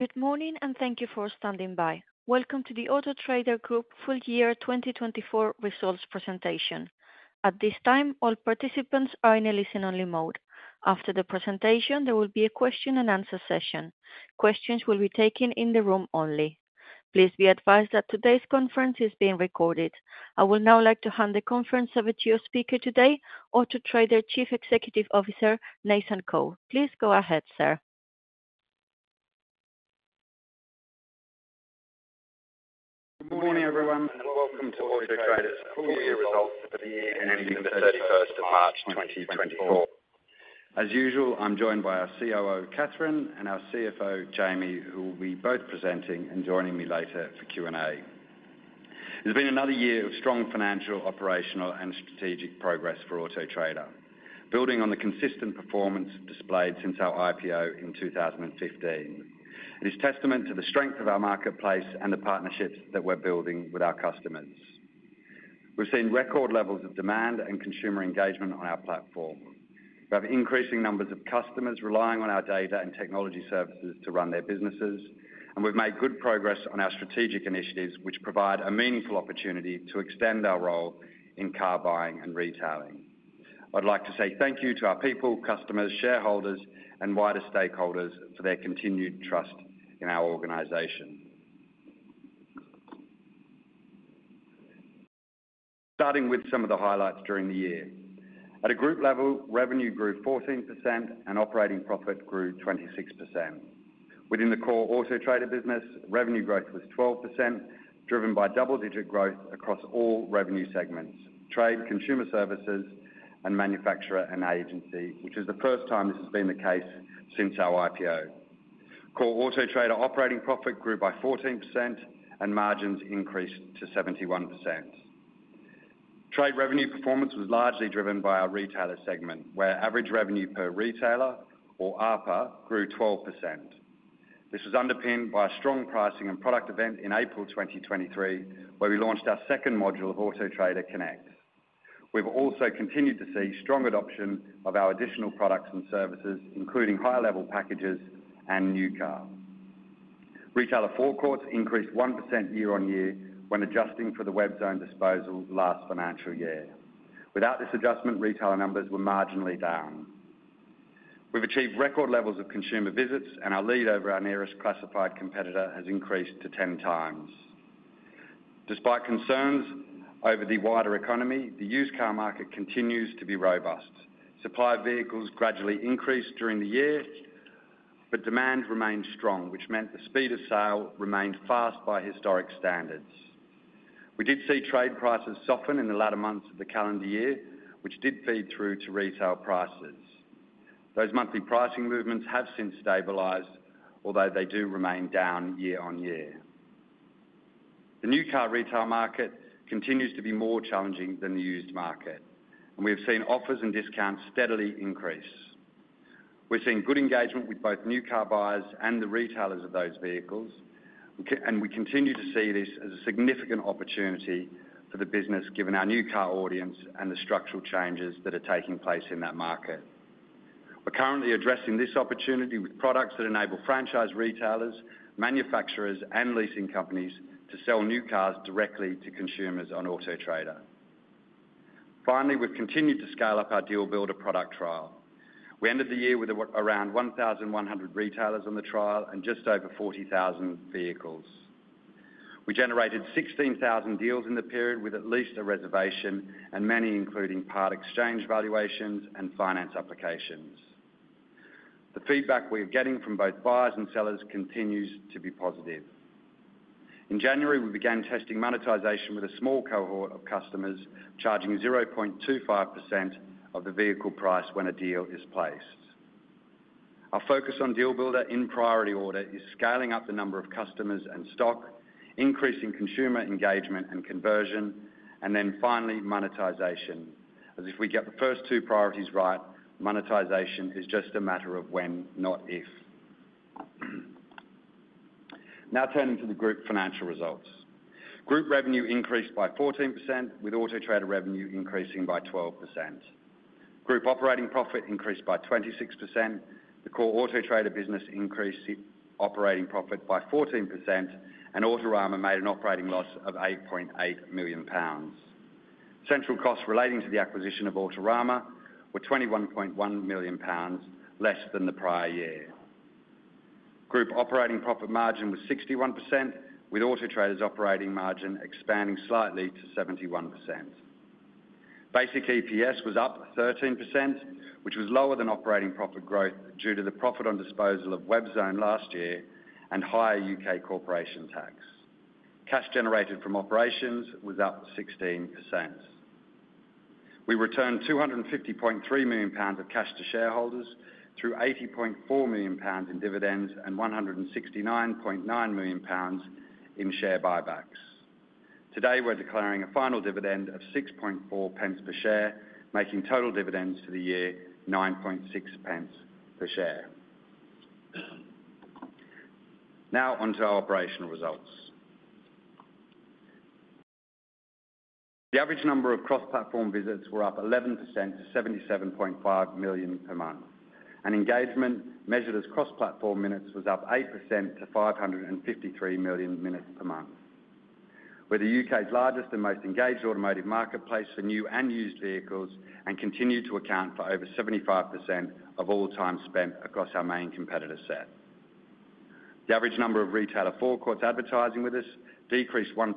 Good morning and thank you for standing by. Welcome to the Auto Trader Group full year 2024 results presentation. At this time, all participants are in a listen-only mode. After the presentation, there will be a question-and-answer session. Questions will be taken in the room only. Please be advised that today's conference is being recorded. I will now like to hand the conference over to your speaker today, Auto Trader Chief Executive Officer Nathan Coe. Please go ahead, sir. Good morning, everyone, and welcome to Auto Trader's full year results for the year ending the 31st of March 2024. As usual, I'm joined by our COO, Catherine, and our CFO, Jamie, who will be both presenting and joining me later for Q and A. It has been another year of strong financial, operational, and strategic progress for Auto Trader, building on the consistent performance displayed since our IPO in 2015. It is testament to the strength of our marketplace and the partnerships that we're building with our customers. We've seen record levels of demand and consumer engagement on our platform. We have increasing numbers of customers relying on our data and technology services to run their businesses, and we've made good progress on our strategic initiatives which provide a meaningful opportunity to extend our role in car buying and retailing. I'd like to say thank you to our people, customers, shareholders, and wider stakeholders for their continued trust in our organization. Starting with some of the highlights during the year. At a group level, revenue grew 14% and operating profit grew 26%. Within the core Auto Trader business, revenue growth was 12%, driven by double-digit growth across all revenue segments: trade, consumer services, and manufacturer and agency, which is the first time this has been the case since our IPO. Core Auto Trader operating profit grew by 14% and margins increased to 71%. Trade revenue performance was largely driven by our retailer segment, where average revenue per retailer, or ARPA, grew 12%. This was underpinned by a strong pricing and product event in April 2023, where we launched our second module of Auto Trader Connect. We've also continued to see strong adoption of our additional products and services, including higher-level packages and new car. Retailer forecasts increased 1% year-on-year when adjusting for the Webzone disposal last financial year. Without this adjustment, retailer numbers were marginally down. We've achieved record levels of consumer visits, and our lead over our nearest classified competitor has increased to 10 times. Despite concerns over the wider economy, the used car market continues to be robust. Supply of vehicles gradually increased during the year, but demand remained strong, which meant the speed of sale remained fast by historic standards. We did see trade prices soften in the latter months of the calendar year, which did feed through to retail prices. Those monthly pricing movements have since stabilized, although they do remain down year-on-year. The new car retail market continues to be more challenging than the used market, and we have seen offers and discounts steadily increase. We're seeing good engagement with both new car buyers and the retailers of those vehicles, and we continue to see this as a significant opportunity for the business given our new car audience and the structural changes that are taking place in that market. We're currently addressing this opportunity with products that enable franchise retailers, manufacturers, and leasing companies to sell new cars directly to consumers on Auto Trader. Finally, we've continued to scale up our Deal Builder product trial. We ended the year with around 1,100 retailers on the trial and just over 40,000 vehicles. We generated 16,000 deals in the period with at least a reservation, and many including part exchange valuations and finance applications. The feedback we are getting from both buyers and sellers continues to be positive. In January, we began testing monetization with a small cohort of customers, charging 0.25% of the vehicle price when a deal is placed. Our focus on Deal Builder in priority order is scaling up the number of customers and stock, increasing consumer engagement and conversion, and then finally monetization. As if we get the first two priorities right, monetization is just a matter of when, not if. Now turning to the group financial results. Group revenue increased by 14%, with Auto Trader revenue increasing by 12%. Group operating profit increased by 26%. The core Auto Trader business increased operating profit by 14%, and Autorama made an operating loss of 8.8 million pounds. Central costs relating to the acquisition of Autorama were 21.1 million pounds less than the prior year. Group operating profit margin was 61%, with Auto Trader's operating margin expanding slightly to 71%. Basic EPS was up 13%, which was lower than operating profit growth due to the profit on disposal of Webzone last year and higher U.K. corporation tax. Cash generated from operations was up 16%. We returned 250.3 million pounds of cash to shareholders through 80.4 million pounds in dividends and 169.9 million pounds in share buybacks. Today, we're declaring a final dividend of 6.4 pence per share, making total dividends for the year 9.6 per share. Now onto our operational results. The average number of cross-platform visits were up 11% to 77.5 million per month, and engagement measured as cross-platform minutes was up 8% to 553 million minutes per month. We're the U.K.'s largest and most engaged automotive marketplace for new and used vehicles and continue to account for over 75% of all time spent across our main competitor set. The average number of retailers advertising with us decreased 1%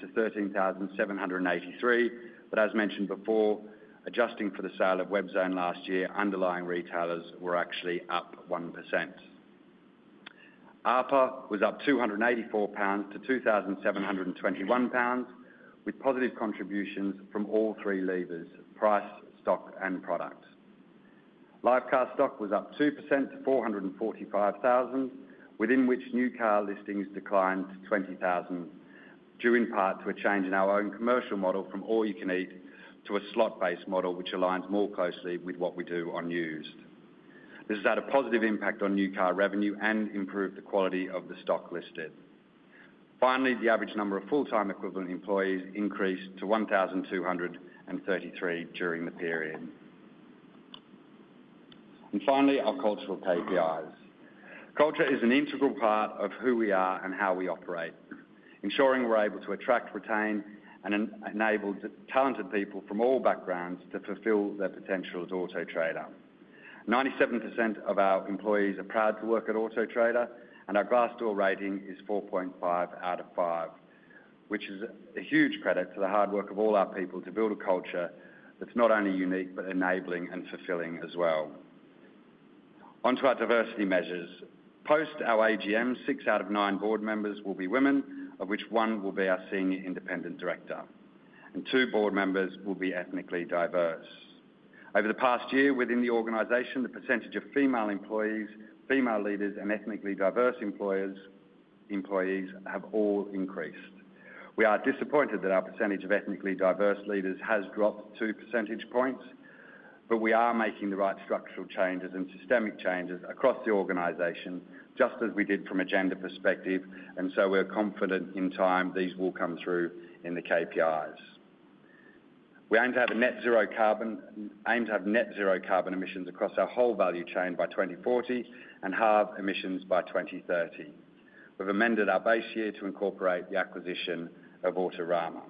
to 13,783, but as mentioned before, adjusting for the sale of Webzone last year, underlying retailers were actually up 1%. ARPA was up 284 pounds to 2,721 pounds, with positive contributions from all three levers: price, stock, and product. Listed stock was up 2% to 445,000, within which new car listings declined to 20,000 due in part to a change in our own commercial model from All-You-Can-Eat to a slot-based model which aligns more closely with what we do on used. This has had a positive impact on new car revenue and improved the quality of the stock listed. Finally, the average number of full-time equivalent employees increased to 1,233 during the period. And finally, our cultural KPIs. Culture is an integral part of who we are and how we operate, ensuring we're able to attract, retain, and enable talented people from all backgrounds to fulfill their potential as Auto Trader. 97% of our employees are proud to work at Auto Trader, and our Glassdoor rating is 4.5 out of 5, which is a huge credit to the hard work of all our people to build a culture that's not only unique but enabling and fulfilling as well. On to our diversity measures. Post our AGM, six out of nine board members will be women, of which one will be our senior independent director, and two board members will be ethnically diverse. Over the past year, within the organization, the percentage of female employees, female leaders, and ethnically diverse employees have all increased. We are disappointed that our percentage of ethnically diverse leaders has dropped 2 percentage points, but we are making the right structural changes and systemic changes across the organization, just as we did from a gender perspective, and so we're confident in time these will come through in the KPIs. We aim to have a net-zero carbon aim to have net-zero carbon emissions across our whole value chain by 2040 and halve emissions by 2030. We've amended our base year to incorporate the acquisition of Autorama.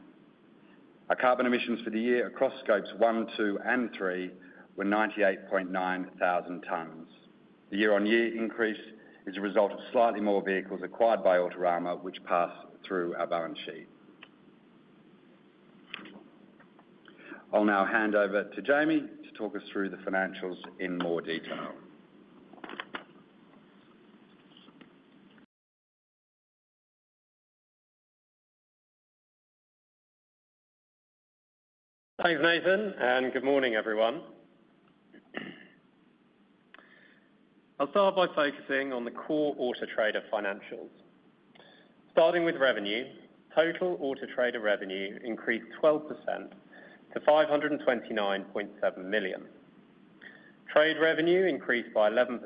Our carbon emissions for the year across Scope 1, 2, and 3 were 98.9 tons. The year-on-year increase is a result of slightly more vehicles acquired by Autorama, which pass through our balance sheet. I'll now hand over to Jamie to talk us through the financials in more detail. Thanks, Nathan, and good morning, everyone. I'll start by focusing on the Core Auto Trader financials. Starting with revenue, total Auto Trader revenue increased 12% to 529.7 million. Trader revenue increased by 11%,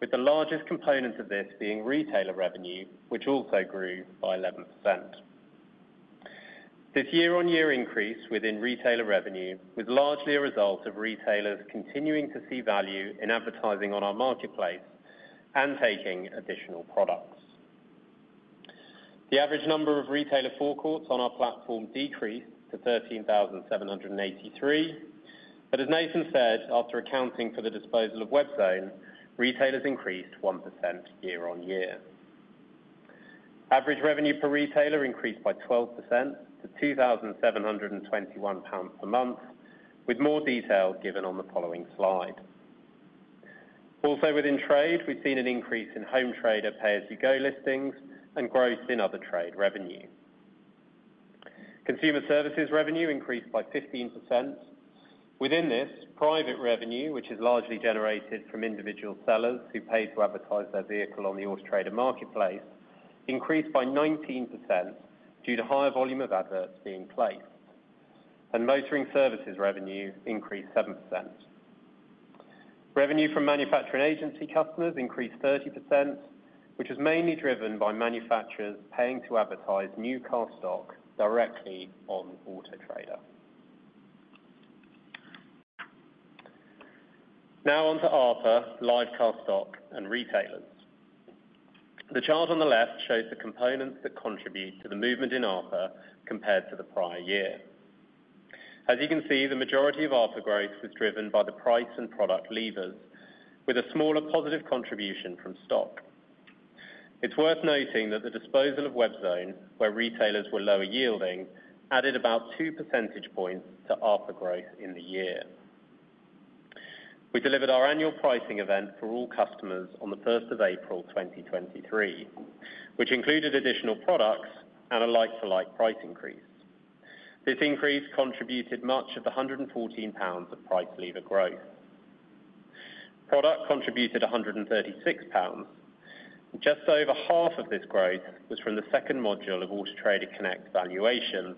with the largest component of this being retailer revenue, which also grew by 11%. This year-on-year increase within retailer revenue was largely a result of retailers continuing to see value in advertising on our marketplace and taking additional products. The average number of retailer forecourts on our platform decreased to 13,783, but as Nathan said, after accounting for the disposal of Webzone, retailers increased 1% year-on-year. Average revenue per retailer increased by 12% to 2,721 pounds per month, with more detail given on the following slide. Also within trade, we've seen an increase in Home Trader pay-as-you-go listings and growth in other trade revenue. Consumer services revenue increased by 15%. Within this, private revenue, which is largely generated from individual sellers who pay to advertise their vehicle on the Auto Trader marketplace, increased by 19% due to higher volume of adverts being placed. Motoring services revenue increased 7%. Revenue from manufacturer and agency customers increased 30%, which was mainly driven by manufacturers paying to advertise new car stock directly on Auto Trader. Now onto ARPA, listed stock, and retailers. The chart on the left shows the components that contribute to the movement in ARPA compared to the prior year. As you can see, the majority of ARPA growth was driven by the price and product levers, with a smaller positive contribution from stock. It's worth noting that the disposal of Webzone, where retailers were lower yielding, added about 2 percentage points to ARPA growth in the year. We delivered our annual pricing event for all customers on the 1st of April, 2023, which included additional products and a like-for-like price increase. This increase contributed much of the 114 pounds of price lever growth. Product contributed 136 pounds. Just over half of this growth was from the second module of Auto Trader Connect Valuations,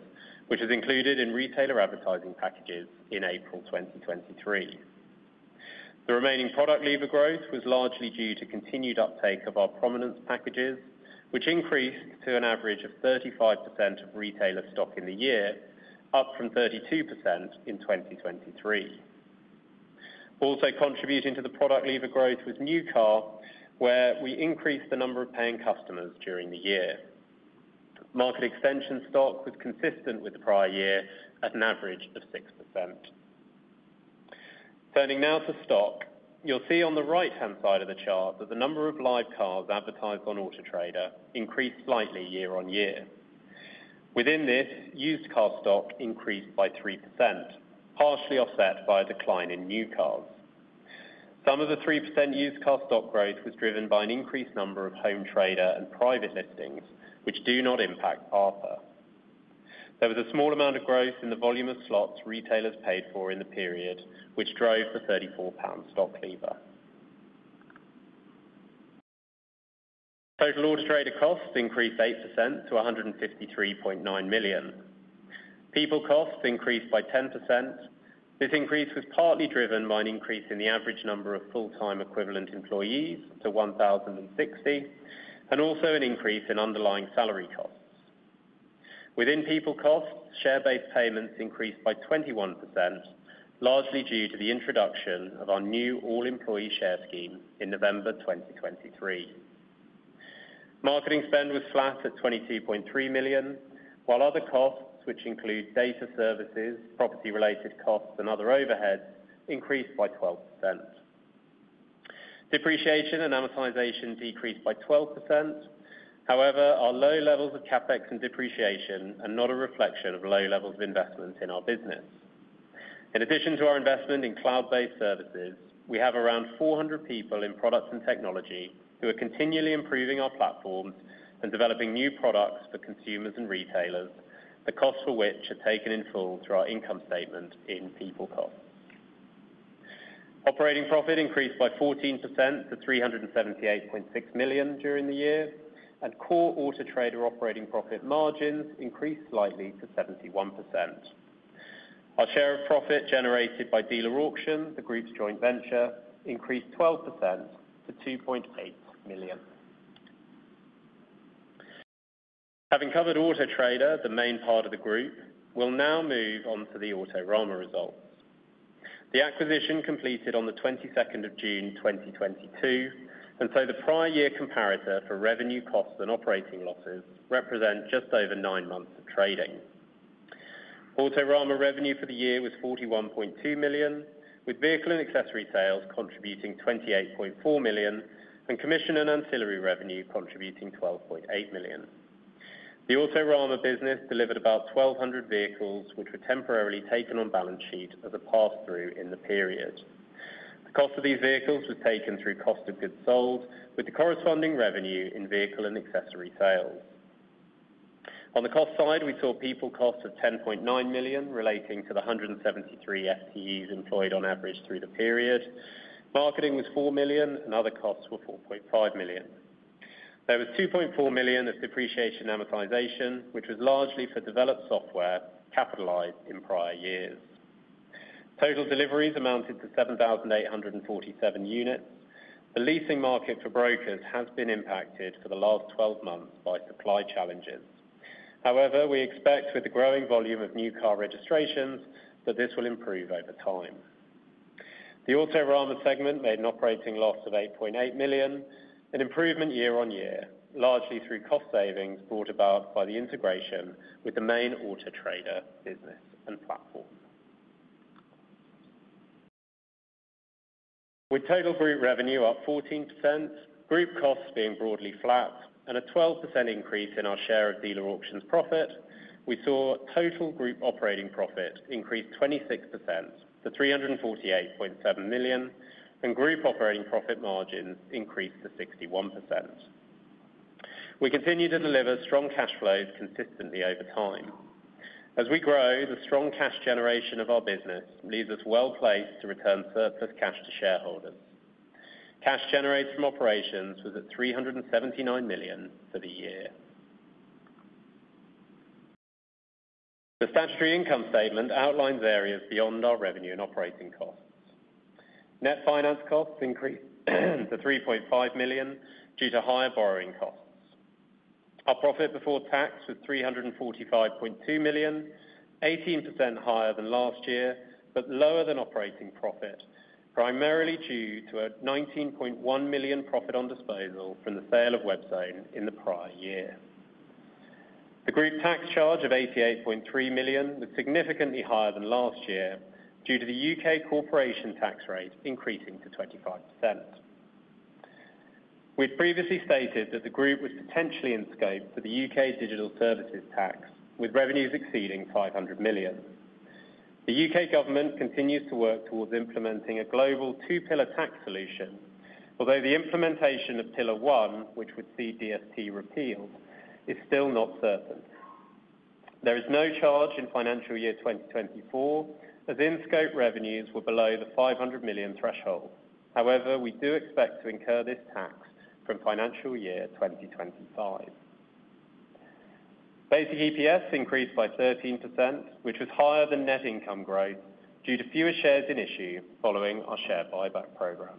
which was included in retailer advertising packages in April 2023. The remaining product lever growth was largely due to continued uptake of our prominent packages, which increased to an average of 35% of retailer stock in the year, up from 32% in 2023. Also contributing to the product lever growth was new car, where we increased the number of paying customers during the year. Market Extension stock was consistent with the prior year at an average of 6%. Turning now to stock, you'll see on the right-hand side of the chart that the number of live cars advertised on Auto Trader increased slightly year-over-year. Within this, used car stock increased by 3%, partially offset by a decline in new cars. Some of the 3% used car stock growth was driven by an increased number of Home Trader and private listings, which do not impact ARPA. There was a small amount of growth in the volume of slots retailers paid for in the period, which drove the 34 pound stock lever. Total Auto Trader costs increased 8% to 153.9 million. People costs increased by 10%. This increase was partly driven by an increase in the average number of full-time equivalent employees to 1,060, and also an increase in underlying salary costs. Within people costs, share-based payments increased by 21%, largely due to the introduction of our new all-employee share scheme in November 2023. Marketing spend was flat at 22.3 million, while other costs, which include data services, property-related costs, and other overheads, increased by 12%. Depreciation and amortization decreased by 12%. However, our low levels of CapEx and depreciation are not a reflection of low levels of investment in our business. In addition to our investment in cloud-based services, we have around 400 people in product and technology who are continually improving our platform and developing new products for consumers and retailers, the costs for which are taken in full through our income statement in people costs. Operating profit increased by 14% to 378.6 million during the year, and Core Auto Trader operating profit margins increased slightly to 71%. Our share of profit generated by Dealer Auction, the group's joint venture, increased 12% to GBP 2.8 million. Having covered Auto Trader, the main part of the group, we'll now move on to the Autorama results. The acquisition completed on the 22nd of June, 2022, and so the prior year comparator for revenue costs and operating losses represents just over nine months of trading. Autorama revenue for the year was 41.2 million, with vehicle and accessory sales contributing 28.4 million and commission and ancillary revenue contributing 12.8 million. The Autorama business delivered about 1,200 vehicles, which were temporarily taken on balance sheet as a pass-through in the period. The cost of these vehicles was taken through cost of goods sold, with the corresponding revenue in vehicle and accessory sales. On the cost side, we saw people costs of 10.9 million relating to the 173 FTEs employed on average through the period. Marketing was 4 million, and other costs were 4.5 million. There was 2.4 million of depreciation amortization, which was largely for developed software capitalized in prior years. Total deliveries amounted to 7,847 units. The leasing market for brokers has been impacted for the last 12 months by supply challenges. However, we expect with the growing volume of new car registrations that this will improve over time. The Autorama segment made an operating loss of 8.8 million, an improvement year-on-year, largely through cost savings brought about by the integration with the main Auto Trader business and platform. With total group revenue up 14%, group costs being broadly flat, and a 12% increase in our share of Dealer Auction profit, we saw total group operating profit increase 26% to 348.7 million, and group operating profit margins increase to 61%. We continue to deliver strong cash flows consistently over time. As we grow, the strong cash generation of our business leaves us well placed to return surplus cash to shareholders. Cash generated from operations was at 379 million for the year. The statutory income statement outlines areas beyond our revenue and operating costs. Net finance costs increased to 3.5 million due to higher borrowing costs. Our profit before tax was 345.2 million, 18% higher than last year, but lower than operating profit, primarily due to a 19.1 million profit on disposal from the sale of Webzone in the prior year. The group tax charge of 88.3 million was significantly higher than last year due to the UK corporation tax rate increasing to 25%. We've previously stated that the group was potentially in scope for the UK Digital Services Tax, with revenues exceeding 500 million. The U.K. government continues to work towards implementing a global two-pillar tax solution, although the implementation of Pillar One, which would see DST repealed, is still not certain. There is no charge in financial year 2024, as in-scope revenues were below the 500 million threshold. However, we do expect to incur this tax from financial year 2025. Basic EPS increased by 13%, which was higher than net income growth due to fewer shares in issue following our share buyback program.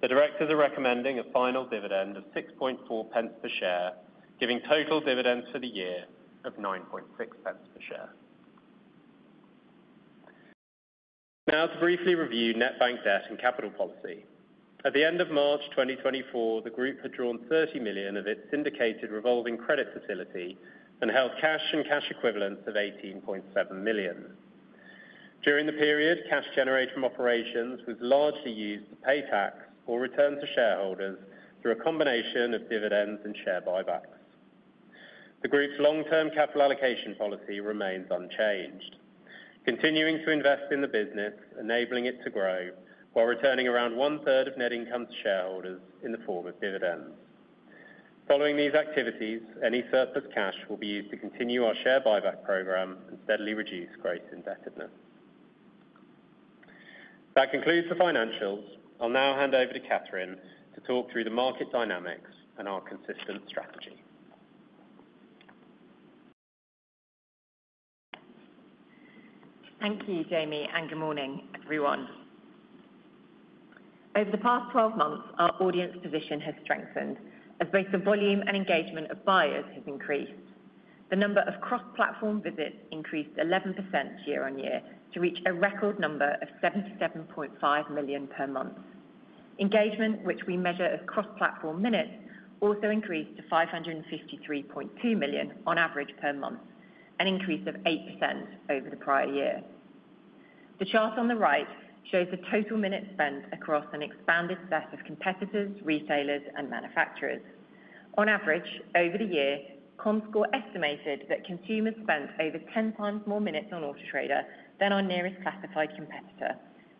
The directors are recommending a final dividend of 0.064 per share, giving total dividends for the year of 0.096 per share. Now to briefly review net bank debt and capital policy. At the end of March 2024, the group had drawn 30 million of its syndicated revolving credit facility and held cash and cash equivalents of 18.7 million. During the period, cash generated from operations was largely used to pay tax or return to shareholders through a combination of dividends and share buybacks. The group's long-term capital allocation policy remains unchanged, continuing to invest in the business, enabling it to grow, while returning around one-third of net income to shareholders in the form of dividends. Following these activities, any surplus cash will be used to continue our share buyback program and steadily reduce growth indebtedness. That concludes the financials. I'll now hand over to Catherine to talk through the market dynamics and our consistent strategy. Thank you, Jamie, and good morning, everyone. Over the past 12 months, our audience position has strengthened as both the volume and engagement of buyers have increased. The number of cross-platform visits increased 11% year-on-year to reach a record number of 77.5 million per month. Engagement, which we measure as cross-platform minutes, also increased to 553.2 million on average per month, an increase of 8% over the prior year. The chart on the right shows the total minute spent across an expanded set of competitors, retailers, and manufacturers. On average, over the year, Comscore estimated that consumers spent over 10 times more minutes on Auto Trader than our nearest classified competitor,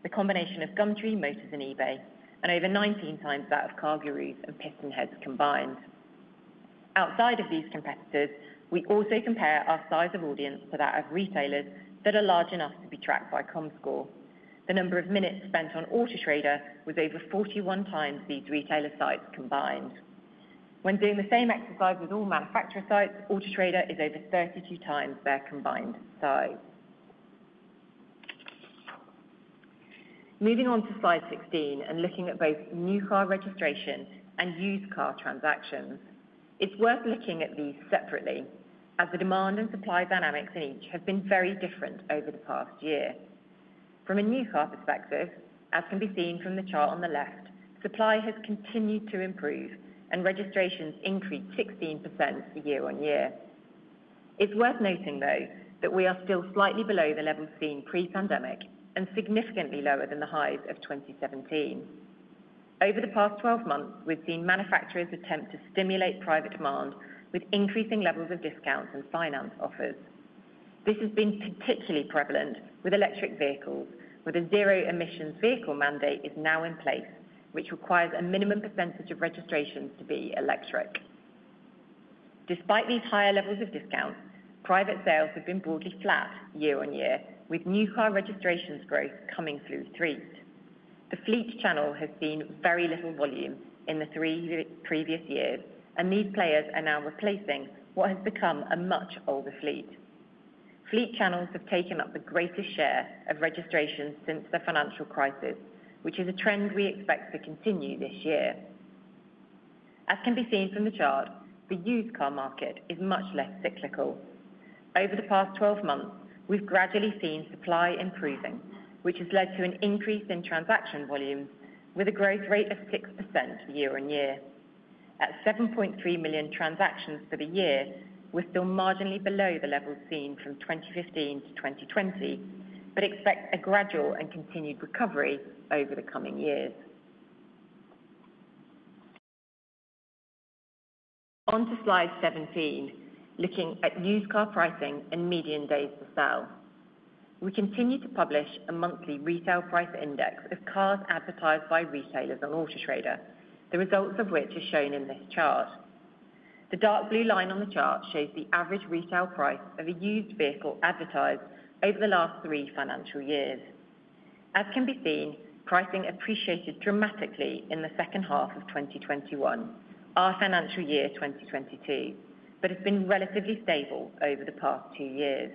the combination of Gumtree, Motors, and eBay, and over 19 times that of CarGurus and PistonHeads combined. Outside of these competitors, we also compare our size of audience to that of retailers that are large enough to be tracked by Comscore. The number of minutes spent on Auto Trader was over 41 times these retailer sites combined. When doing the same exercise with all manufacturer sites, Auto Trader is over 32 times their combined size. Moving on to slide 16 and looking at both new car registration and used car transactions, it's worth looking at these separately, as the demand and supply dynamics in each have been very different over the past year. From a new car perspective, as can be seen from the chart on the left, supply has continued to improve, and registrations increased 16% year-over-year. It's worth noting, though, that we are still slightly below the levels seen pre-pandemic and significantly lower than the highs of 2017. Over the past 12 months, we've seen manufacturers attempt to stimulate private demand with increasing levels of discounts and finance offers. This has been particularly prevalent with electric vehicles, where the Zero Emission Vehicle mandate is now in place, which requires a minimum percentage of registrations to be electric. Despite these higher levels of discounts, private sales have been broadly flat year-on-year, with new car registrations growth coming through fleet. The fleet channel has seen very little volume in the three previous years, and these players are now replacing what has become a much older fleet. Fleet channels have taken up the greatest share of registrations since the financial crisis, which is a trend we expect to continue this year. As can be seen from the chart, the used car market is much less cyclical. Over the past 12 months, we've gradually seen supply improving, which has led to an increase in transaction volumes with a growth rate of 6% year-over-year. At 7.3 million transactions for the year, we're still marginally below the levels seen from 2015 to 2020, but expect a gradual and continued recovery over the coming years. On to slide 17, looking at used car pricing and median days to sell. We continue to publish a monthly retail price index of cars advertised by retailers on Auto Trader, the results of which are shown in this chart. The dark blue line on the chart shows the average retail price of a used vehicle advertised over the last three financial years. As can be seen, pricing appreciated dramatically in the second half of 2021, our financial year 2022, but has been relatively stable over the past two years.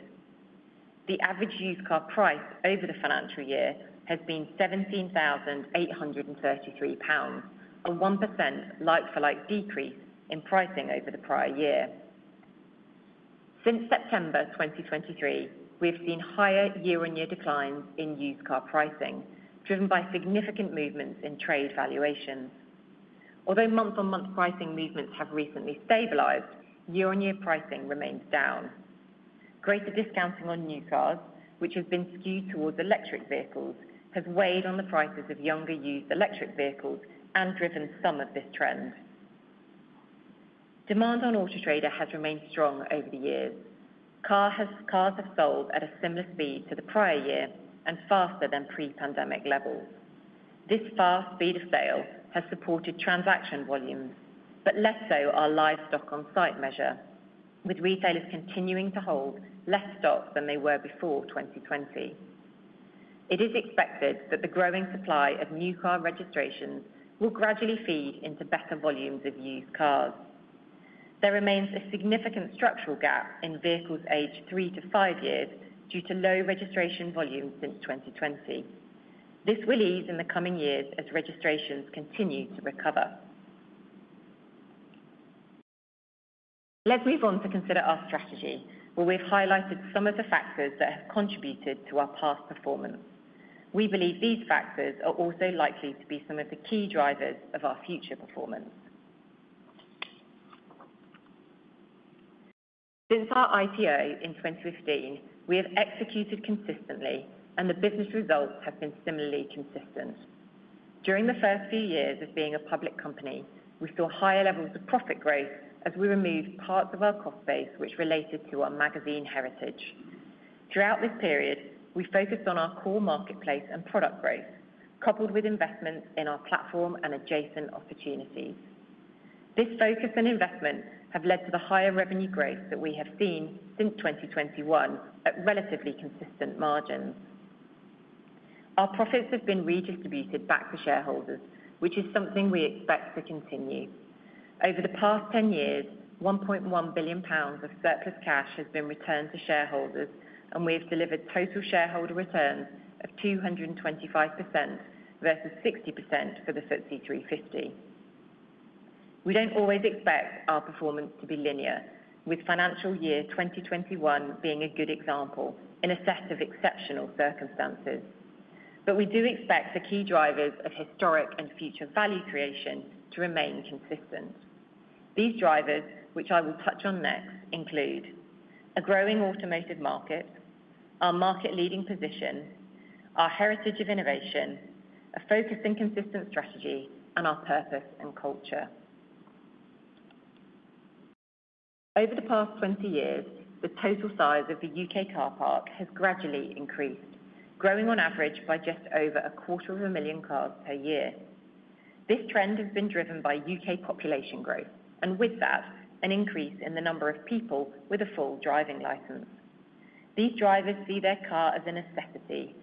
The average used car price over the financial year has been 17,833 pounds, a 1% like-for-like decrease in pricing over the prior year. Since September 2023, we have seen higher year-on-year declines in used car pricing, driven by significant movements in trade valuation. Although month-on-month pricing movements have recently stabilized, year-on-year pricing remains down. Greater discounting on new cars, which has been skewed towards electric vehicles, has weighed on the prices of younger used electric vehicles and driven some of this trend. Demand on Auto Trader has remained strong over the years. Cars have sold at a similar speed to the prior year and faster than pre-pandemic levels. This fast speed of sale has supported transaction volumes, but let's look at our live stock on-site measure, with retailers continuing to hold less stock than they were before 2020. It is expected that the growing supply of new car registrations will gradually feed into better volumes of used cars. There remains a significant structural gap in vehicles aged 3-5 years due to low registration volume since 2020. This will ease in the coming years as registrations continue to recover. Let's move on to consider our strategy, where we've highlighted some of the factors that have contributed to our past performance. We believe these factors are also likely to be some of the key drivers of our future performance. Since our IPO in 2015, we have executed consistently, and the business results have been similarly consistent. During the first few years of being a public company, we saw higher levels of profit growth as we removed parts of our cost base, which related to our magazine heritage. Throughout this period, we focused on our core marketplace and product growth, coupled with investments in our platform and adjacent opportunities. This focus and investment have led to the higher revenue growth that we have seen since 2021 at relatively consistent margins. Our profits have been redistributed back to shareholders, which is something we expect to continue. Over the past 10 years, 1.1 billion pounds of surplus cash has been returned to shareholders, and we have delivered total shareholder returns of 225% versus 60% for the FTSE 250 or FTSE 100. We don't always expect our performance to be linear, with financial year 2021 being a good example in a set of exceptional circumstances. But we do expect the key drivers of historic and future value creation to remain consistent. These drivers, which I will touch on next, include a growing automotive market, our market-leading position, our heritage of innovation, a focus and consistent strategy, and our purpose and culture. Over the past 20 years, the total size of the U.K. car park has gradually increased, growing on average by just over 250,000 cars per year. This trend has been driven by U.K. population growth, and with that, an increase in the number of people with a full driving license. These drivers see their car as a necessity,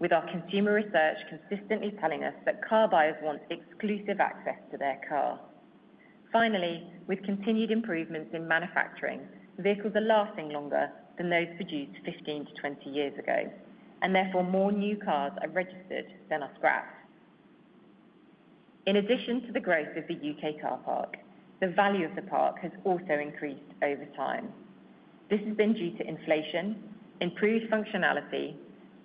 with our consumer research consistently telling us that car buyers want exclusive access to their car. Finally, with continued improvements in manufacturing, vehicles are lasting longer than those produced 15-20 years ago, and therefore more new cars are registered than are scrapped. In addition to the growth of the U.K. car park, the value of the park has also increased over time. This has been due to inflation, improved functionality,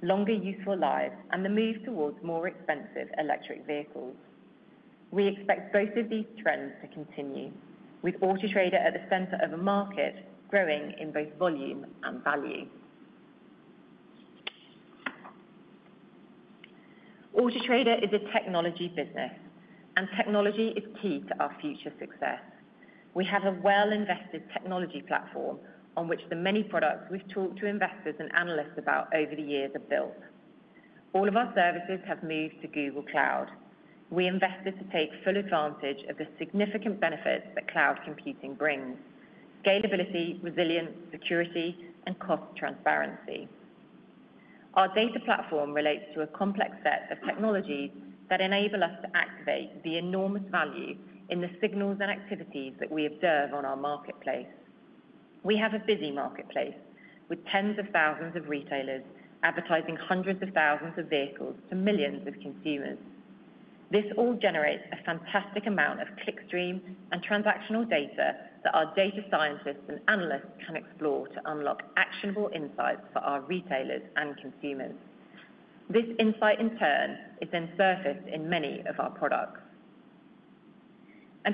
longer useful lives, and the move towards more expensive electric vehicles. We expect both of these trends to continue, with Auto Trader at the center of a market growing in both volume and value. Auto Trader is a technology business, and technology is key to our future success. We have a well-invested technology platform on which the many products we've talked to investors and analysts about over the years are built. All of our services have moved to Google Cloud. We invested to take full advantage of the significant benefits that cloud computing brings: scalability, resilience, security, and cost transparency. Our data platform relates to a complex set of technologies that enable us to activate the enormous value in the signals and activities that we observe on our marketplace. We have a busy marketplace with tens of thousands of retailers advertising hundreds of thousands of vehicles to millions of consumers. This all generates a fantastic amount of clickstream and transactional data that our data scientists and analysts can explore to unlock actionable insights for our retailers and consumers. This insight, in turn, is then surfaced in many of our products.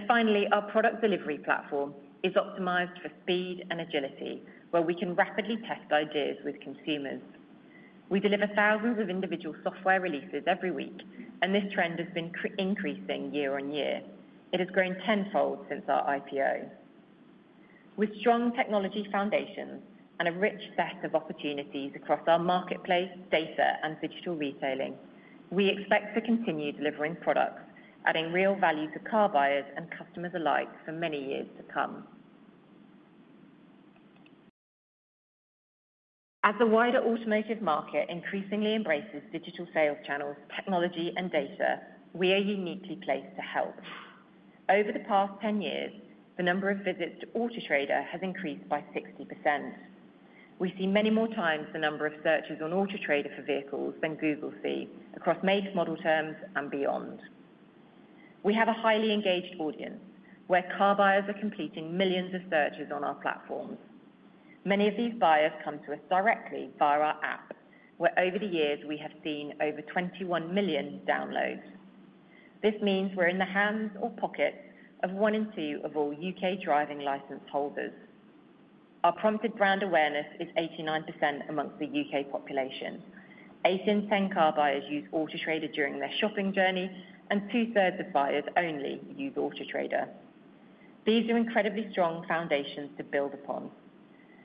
Finally, our product delivery platform is optimized for speed and agility, where we can rapidly test ideas with consumers. We deliver thousands of individual software releases every week, and this trend has been increasing year-over-year. It has grown tenfold since our IPO. With strong technology foundations and a rich set of opportunities across our marketplace, data, and digital retailing, we expect to continue delivering products, adding real value to car buyers and customers alike for many years to come. As the wider automotive market increasingly embraces digital sales channels, technology, and data, we are uniquely placed to help. Over the past 10 years, the number of visits to Auto Trader has increased by 60%. We see many more times the number of searches on Auto Trader for vehicles than Google sees across make-to-model terms and beyond. We have a highly engaged audience, where car buyers are completing millions of searches on our platforms. Many of these buyers come to us directly via our app, where over the years we have seen over 21 million downloads. This means we're in the hands or pockets of one in two of all U.K. driving license holders. Our prompted brand awareness is 89% among the UK population. Eight in 10 car buyers use Auto Trader during their shopping journey, and 2/3 of buyers only use Auto Trader. These are incredibly strong foundations to build upon.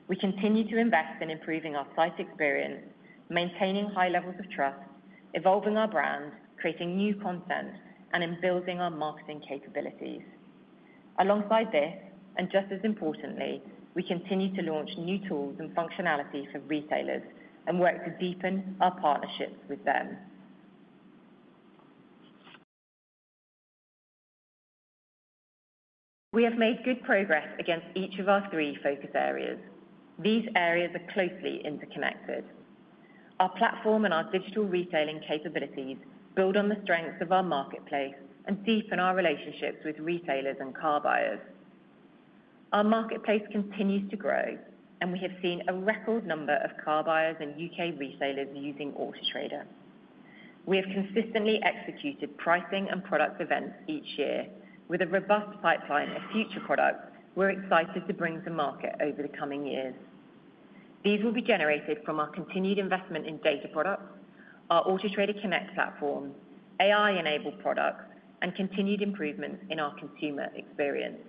We continue to invest in improving our site experience, maintaining high levels of trust, evolving our brand, creating new content, and in building our marketing capabilities. Alongside this, and just as importantly, we continue to launch new tools and functionality for retailers and work to deepen our partnerships with them. We have made good progress against each of our three focus areas. These areas are closely interconnected. Our platform and our digital retailing capabilities build on the strengths of our marketplace and deepen our relationships with retailers and car buyers. Our marketplace continues to grow, and we have seen a record number of car buyers and UK retailers using Auto Trader. We have consistently executed pricing and product events each year, with a robust pipeline of future products we're excited to bring to market over the coming years. These will be generated from our continued investment in data products, our Auto Trader Connect platform, AI-enabled products, and continued improvements in our consumer experience.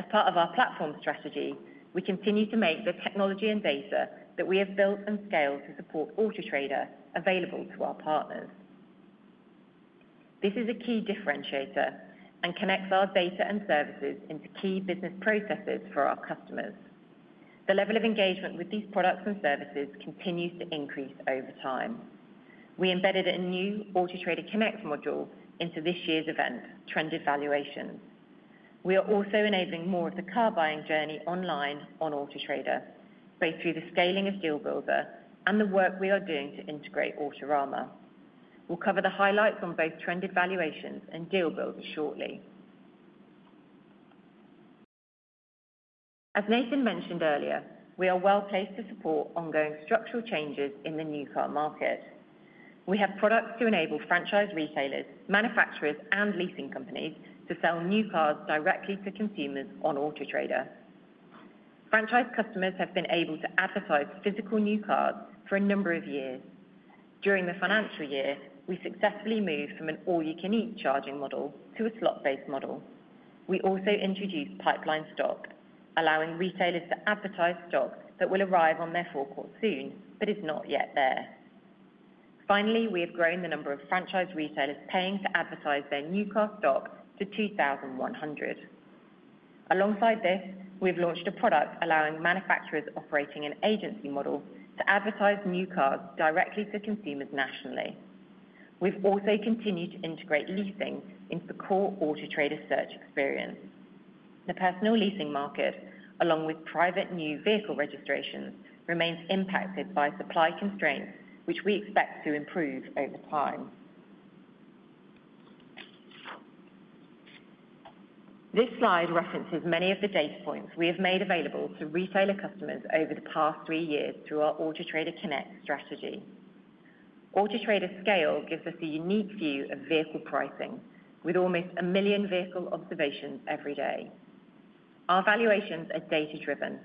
As part of our platform strategy, we continue to make the technology and data that we have built and scaled to support Auto Trader available to our partners. This is a key differentiator and connects our data and services into key business processes for our customers. The level of engagement with these products and services continues to increase over time. We embedded a new Auto Trader Connect module into this year's event, Trended Valuations. We are also enabling more of the car buying journey online on Auto Trader, both through the scaling of Deal Builder and the work we are doing to integrate Autorama. We'll cover the highlights on both Trended Valuations and Deal Builder shortly. As Nathan mentioned earlier, we are well placed to support ongoing structural changes in the new car market. We have products to enable franchise retailers, manufacturers, and leasing companies to sell new cars directly to consumers on Auto Trader. Franchise customers have been able to advertise physical new cars for a number of years. During the financial year, we successfully moved from an all-you-can-eat charging model to a slot-based model. We also introduced pipeline stock, allowing retailers to advertise stock that will arrive on their forecourt soon but is not yet there. Finally, we have grown the number of franchise retailers paying to advertise their new car stock to 2,100. Alongside this, we've launched a product allowing manufacturers operating an agency model to advertise new cars directly to consumers nationally. We've also continued to integrate leasing into the Core Auto Trader search experience. The personal leasing market, along with private new vehicle registrations, remains impacted by supply constraints, which we expect to improve over time. This slide references many of the data points we have made available to retailer customers over the past three years through our Auto Trader Connect strategy. Auto Trader scale gives us a unique view of vehicle pricing, with almost a million vehicle observations every day. Our valuations are data-driven,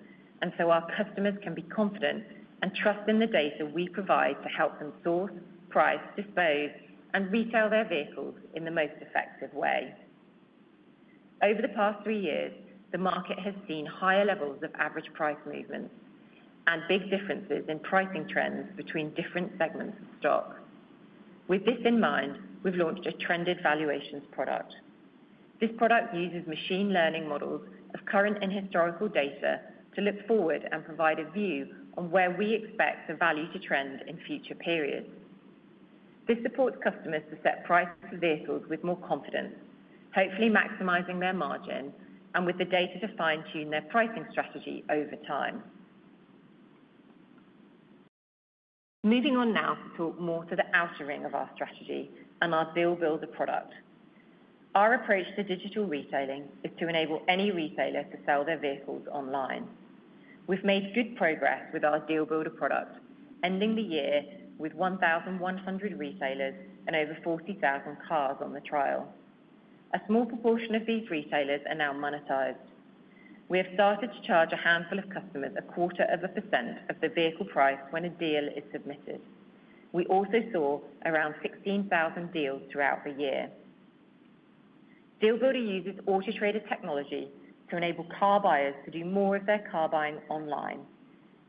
and so our customers can be confident and trust in the data we provide to help them source, price, dispose, and retail their vehicles in the most effective way. Over the past three years, the market has seen higher levels of average price movements and big differences in pricing trends between different segments of stock. With this in mind, we've launched a Trended Valuations product. This product uses machine learning models of current and historical data to look forward and provide a view on where we expect the value to trend in future periods. This supports customers to set prices for vehicles with more confidence, hopefully maximizing their margin and with the data to fine-tune their pricing strategy over time. Moving on now to talk more to the outer ring of our strategy and our Deal Builder product. Our approach to digital retailing is to enable any retailer to sell their vehicles online. We've made good progress with our Deal Builder product, ending the year with 1,100 retailers and over 40,000 cars on the trial. A small proportion of these retailers are now monetized. We have started to charge a handful of customers 0.25% of the vehicle price when a deal is submitted. We also saw around 16,000 deals throughout the year. Deal Builder uses Auto Trader technology to enable car buyers to do more of their car buying online,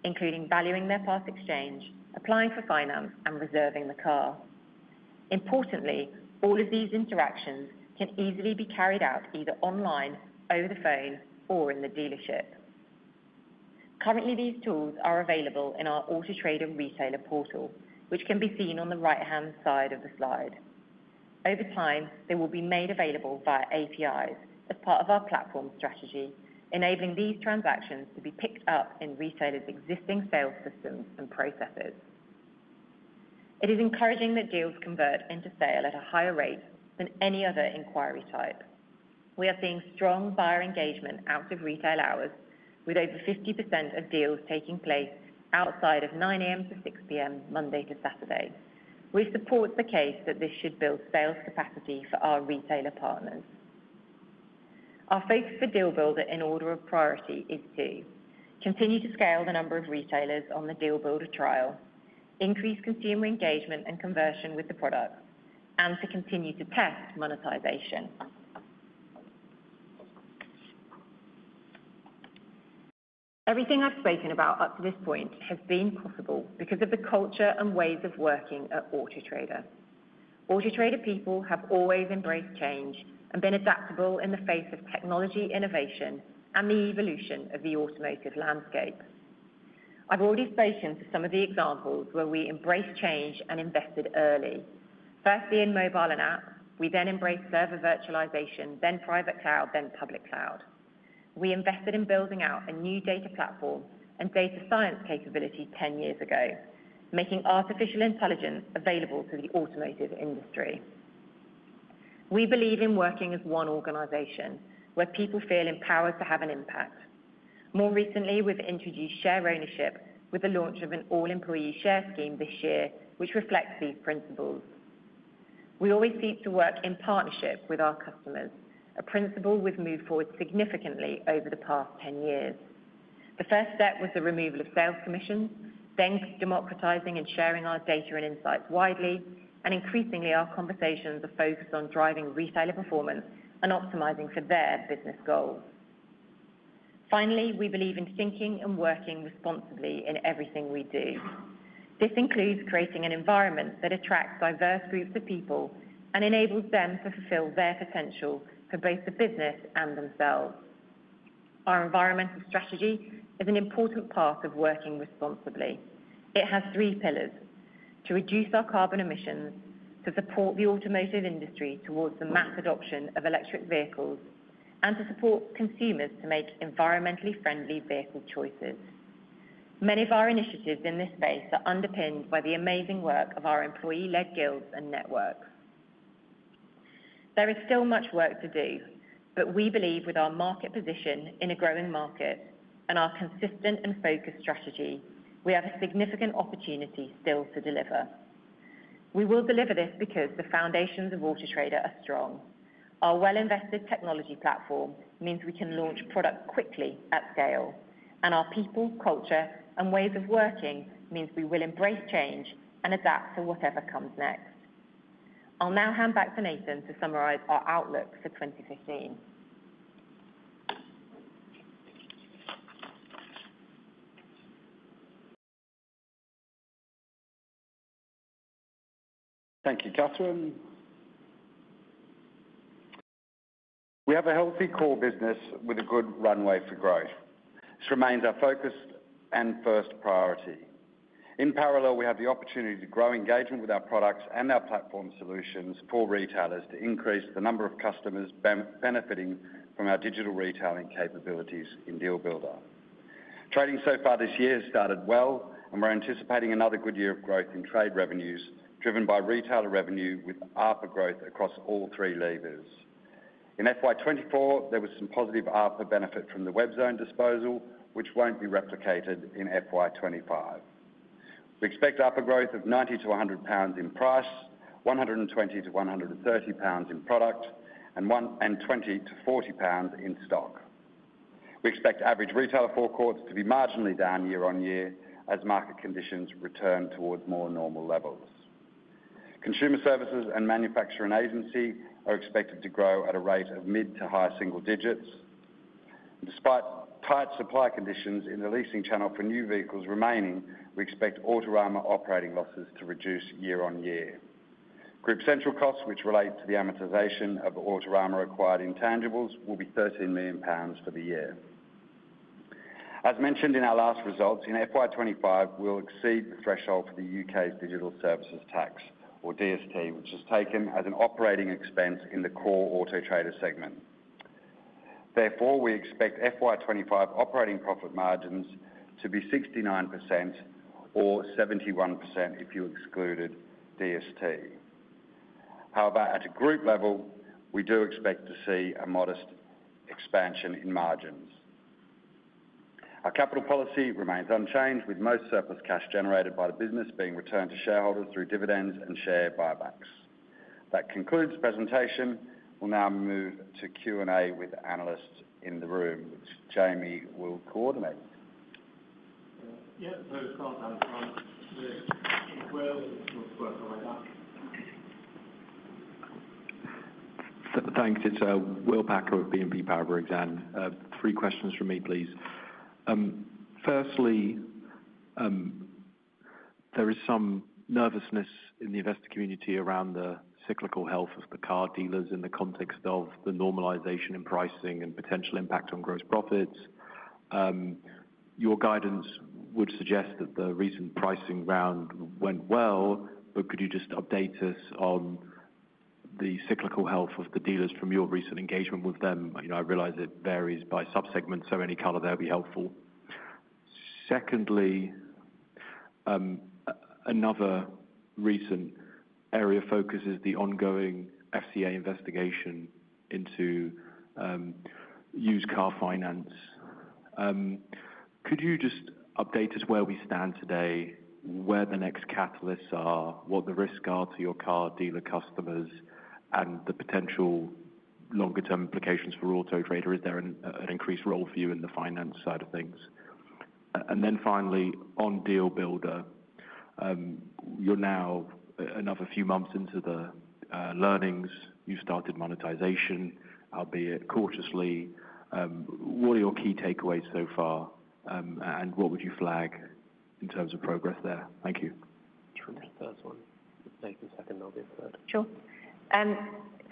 including valuing their part exchange, applying for finance, and reserving the car. Importantly, all of these interactions can easily be carried out either online, over the phone, or in the dealership. Currently, these tools are available in our Auto Trader Retailer Portal, which can be seen on the right-hand side of the slide. Over time, they will be made available via APIs as part of our platform strategy, enabling these transactions to be picked up in retailers' existing sales systems and processes. It is encouraging that deals convert into sale at a higher rate than any other inquiry type. We are seeing strong buyer engagement out of retail hours, with over 50% of deals taking place outside of 9:00 A.M. to 6:00 P.M. Monday to Saturday. We support the case that this should build sales capacity for our retailer partners. Our focus for Deal Builder in order of priority is to: continue to scale the number of retailers on the Deal Builder trial, increase consumer engagement and conversion with the product, and to continue to test monetization. Everything I've spoken about up to this point has been possible because of the culture and ways of working at Auto Trader. Auto Trader people have always embraced change and been adaptable in the face of technology innovation and the evolution of the automotive landscape. I've already spoken to some of the examples where we embraced change and invested early. Firstly, in mobile and app, we then embraced server virtualization, then private cloud, then public cloud. We invested in building out a new data platform and data science capability 10 years ago, making artificial intelligence available to the automotive industry. We believe in working as one organization where people feel empowered to have an impact. More recently, we've introduced share ownership with the launch of an all-employee share scheme this year, which reflects these principles. We always seek to work in partnership with our customers, a principle we've moved forward significantly over the past 10 years. The first step was the removal of sales commissions, then democratizing and sharing our data and insights widely, and increasingly our conversations are focused on driving retailer performance and optimizing for their business goals. Finally, we believe in thinking and working responsibly in everything we do. This includes creating an environment that attracts diverse groups of people and enables them to fulfill their potential for both the business and themselves. Our environmental strategy is an important part of working responsibly. It has three pillars: to reduce our carbon emissions, to support the automotive industry towards the mass adoption of electric vehicles, and to support consumers to make environmentally friendly vehicle choices. Many of our initiatives in this space are underpinned by the amazing work of our employee-led guilds and networks. There is still much work to do, but we believe with our market position in a growing market and our consistent and focused strategy, we have a significant opportunity still to deliver. We will deliver this because the foundations of Auto Trader are strong. Our well-invested technology platform means we can launch product quickly at scale, and our people, culture, and ways of working means we will embrace change and adapt for whatever comes next. I'll now hand back to Nathan to summarise our outlook for 2015. Thank you, Catherine. We have a healthy core business with a good runway for growth. This remains our focus and first priority. In parallel, we have the opportunity to grow engagement with our products and our platform solutions for retailers to increase the number of customers benefiting from our digital retailing capabilities in Deal Builder. Trading so far this year has started well, and we're anticipating another good year of growth in trade revenues driven by retailer revenue with ARPA growth across all three levers. In FY 2024, there was some positive ARPA benefit from the Webzone disposal, which won't be replicated in FY 2025. We expect ARPA growth of 90-100 pounds in price, 120-130 pounds in product, and 20-40 pounds in stock. We expect average retailer forecourts to be marginally down year-on-year as market conditions return towards more normal levels. Consumer services and manufacturing agency are expected to grow at a rate of mid to high single digits. Despite tight supply conditions in the leasing channel for new vehicles remaining, we expect Autorama operating losses to reduce year-over-year. Group central costs, which relate to the amortization of the Autorama acquired intangibles, will be 13 million pounds for the year. As mentioned in our last results, in FY 2025, we'll exceed the threshold for the U.K.'s Digital Services Tax, or DST, which is taken as an operating expense in the Core Auto Trader segment. Therefore, we expect FY 2025 operating profit margins to be 69% or 71% if you excluded DST. However, at a group level, we do expect to see a modest expansion in margins. Our capital policy remains unchanged, with most surplus cash generated by the business being returned to shareholders through dividends and share buybacks. That concludes the presentation. We'll now move to Q and A with analysts in the room, which Jamie will coordinate. Yeah, hello, Will Packer. How's it going with work like that? Thanks, it's Will Packer of BNP Paribas Exane. Three questions from me, please. Firstly, there is some nervousness in the investor community around the cyclical health of the car dealers in the context of the normalization in pricing and potential impact on gross profits. Your guidance would suggest that the recent pricing round went well, but could you just update us on the cyclical health of the dealers from your recent engagement with them? I realize it varies by subsegment, so any color there would be helpful. Secondly, another recent area of focus is the ongoing FCA investigation into used car finance. Could you just update us where we stand today, where the next catalysts are, what the risks are to your car dealer customers, and the potential longer-term implications for Auto Trader? Is there an increased role for you in the finance side of things? Then finally, on Deal Builder, you're now another few months into the learnings. You've started monetization, albeit cautiously. What are your key takeaways so far, and what would you flag in terms of progress there? Thank you. Sure, first one. Take a second, I'll give it to her. Sure.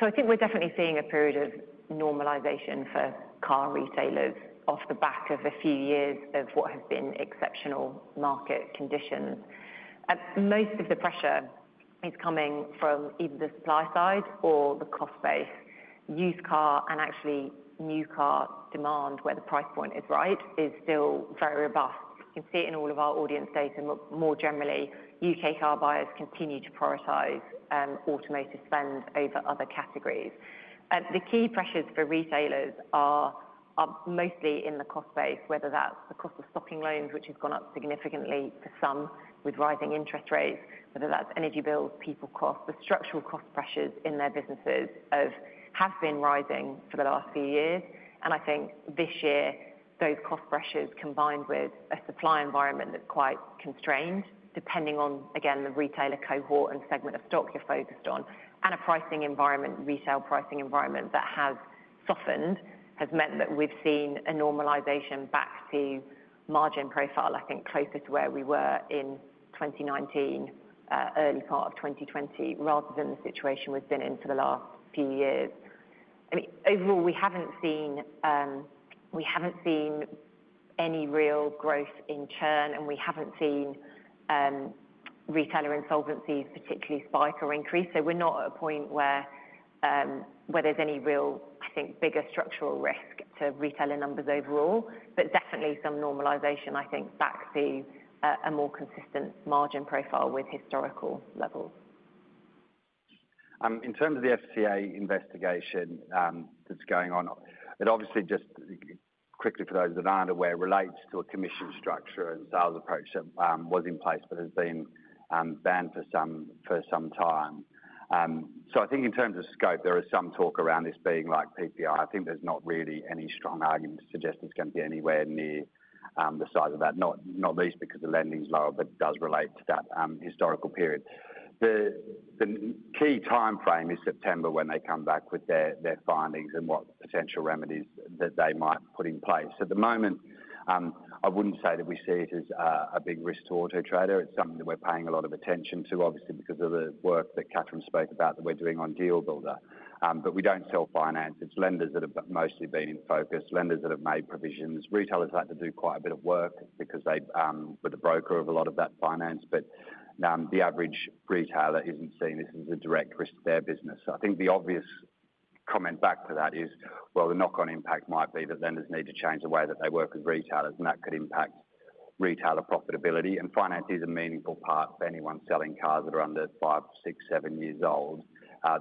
So I think we're definitely seeing a period of normalization for car retailers off the back of a few years of what have been exceptional market conditions. Most of the pressure is coming from either the supply side or the cost base. Used car and actually new car demand, where the price point is right, is still very robust. You can see it in all of our audience data. More generally, UK car buyers continue to prioritize automotive spend over other categories. The key pressures for retailers are mostly in the cost base, whether that's the cost of stocking loans, which has gone up significantly for some with rising interest rates, whether that's energy bills, people costs, the structural cost pressures in their businesses have been rising for the last few years. I think this year, those cost pressures combined with a supply environment that's quite constrained, depending on, again, the retailer cohort and segment of stock you're focused on, and a retail pricing environment that has softened, has meant that we've seen a normalization back to margin profile, I think, closer to where we were in 2019, early part of 2020, rather than the situation we've been in for the last few years. Overall, we haven't seen any real growth in churn, and we haven't seen retailer insolvencies particularly spike or increase. We're not at a point where there's any real, I think, bigger structural risk to retailer numbers overall, but definitely some normalization, I think, back to a more consistent margin profile with historical levels. In terms of the FCA investigation that's going on, it obviously just, quickly for those that aren't aware, relates to a commission structure and sales approach that was in place but has been banned for some time. So I think in terms of scope, there is some talk around this being like PPI. I think there's not really any strong arguments suggesting it's going to be anywhere near the size of that, not least because the lending's lower, but does relate to that historical period. The key timeframe is September when they come back with their findings and what potential remedies that they might put in place. At the moment, I wouldn't say that we see it as a big risk to Auto Trader. It's something that we're paying a lot of attention to, obviously, because of the work that Catherine spoke about that we're doing on Deal Builder. But we don't sell finance. It's lenders that have mostly been in focus, lenders that have made provisions. Retailers like to do quite a bit of work because they're the broker of a lot of that finance, but the average retailer isn't seeing this as a direct risk to their business. So I think the obvious comment back to that is, well, the knock-on impact might be that lenders need to change the way that they work with retailers, and that could impact retailer profitability. And finance is a meaningful part for anyone selling cars that are under 5, 6, 7 years old.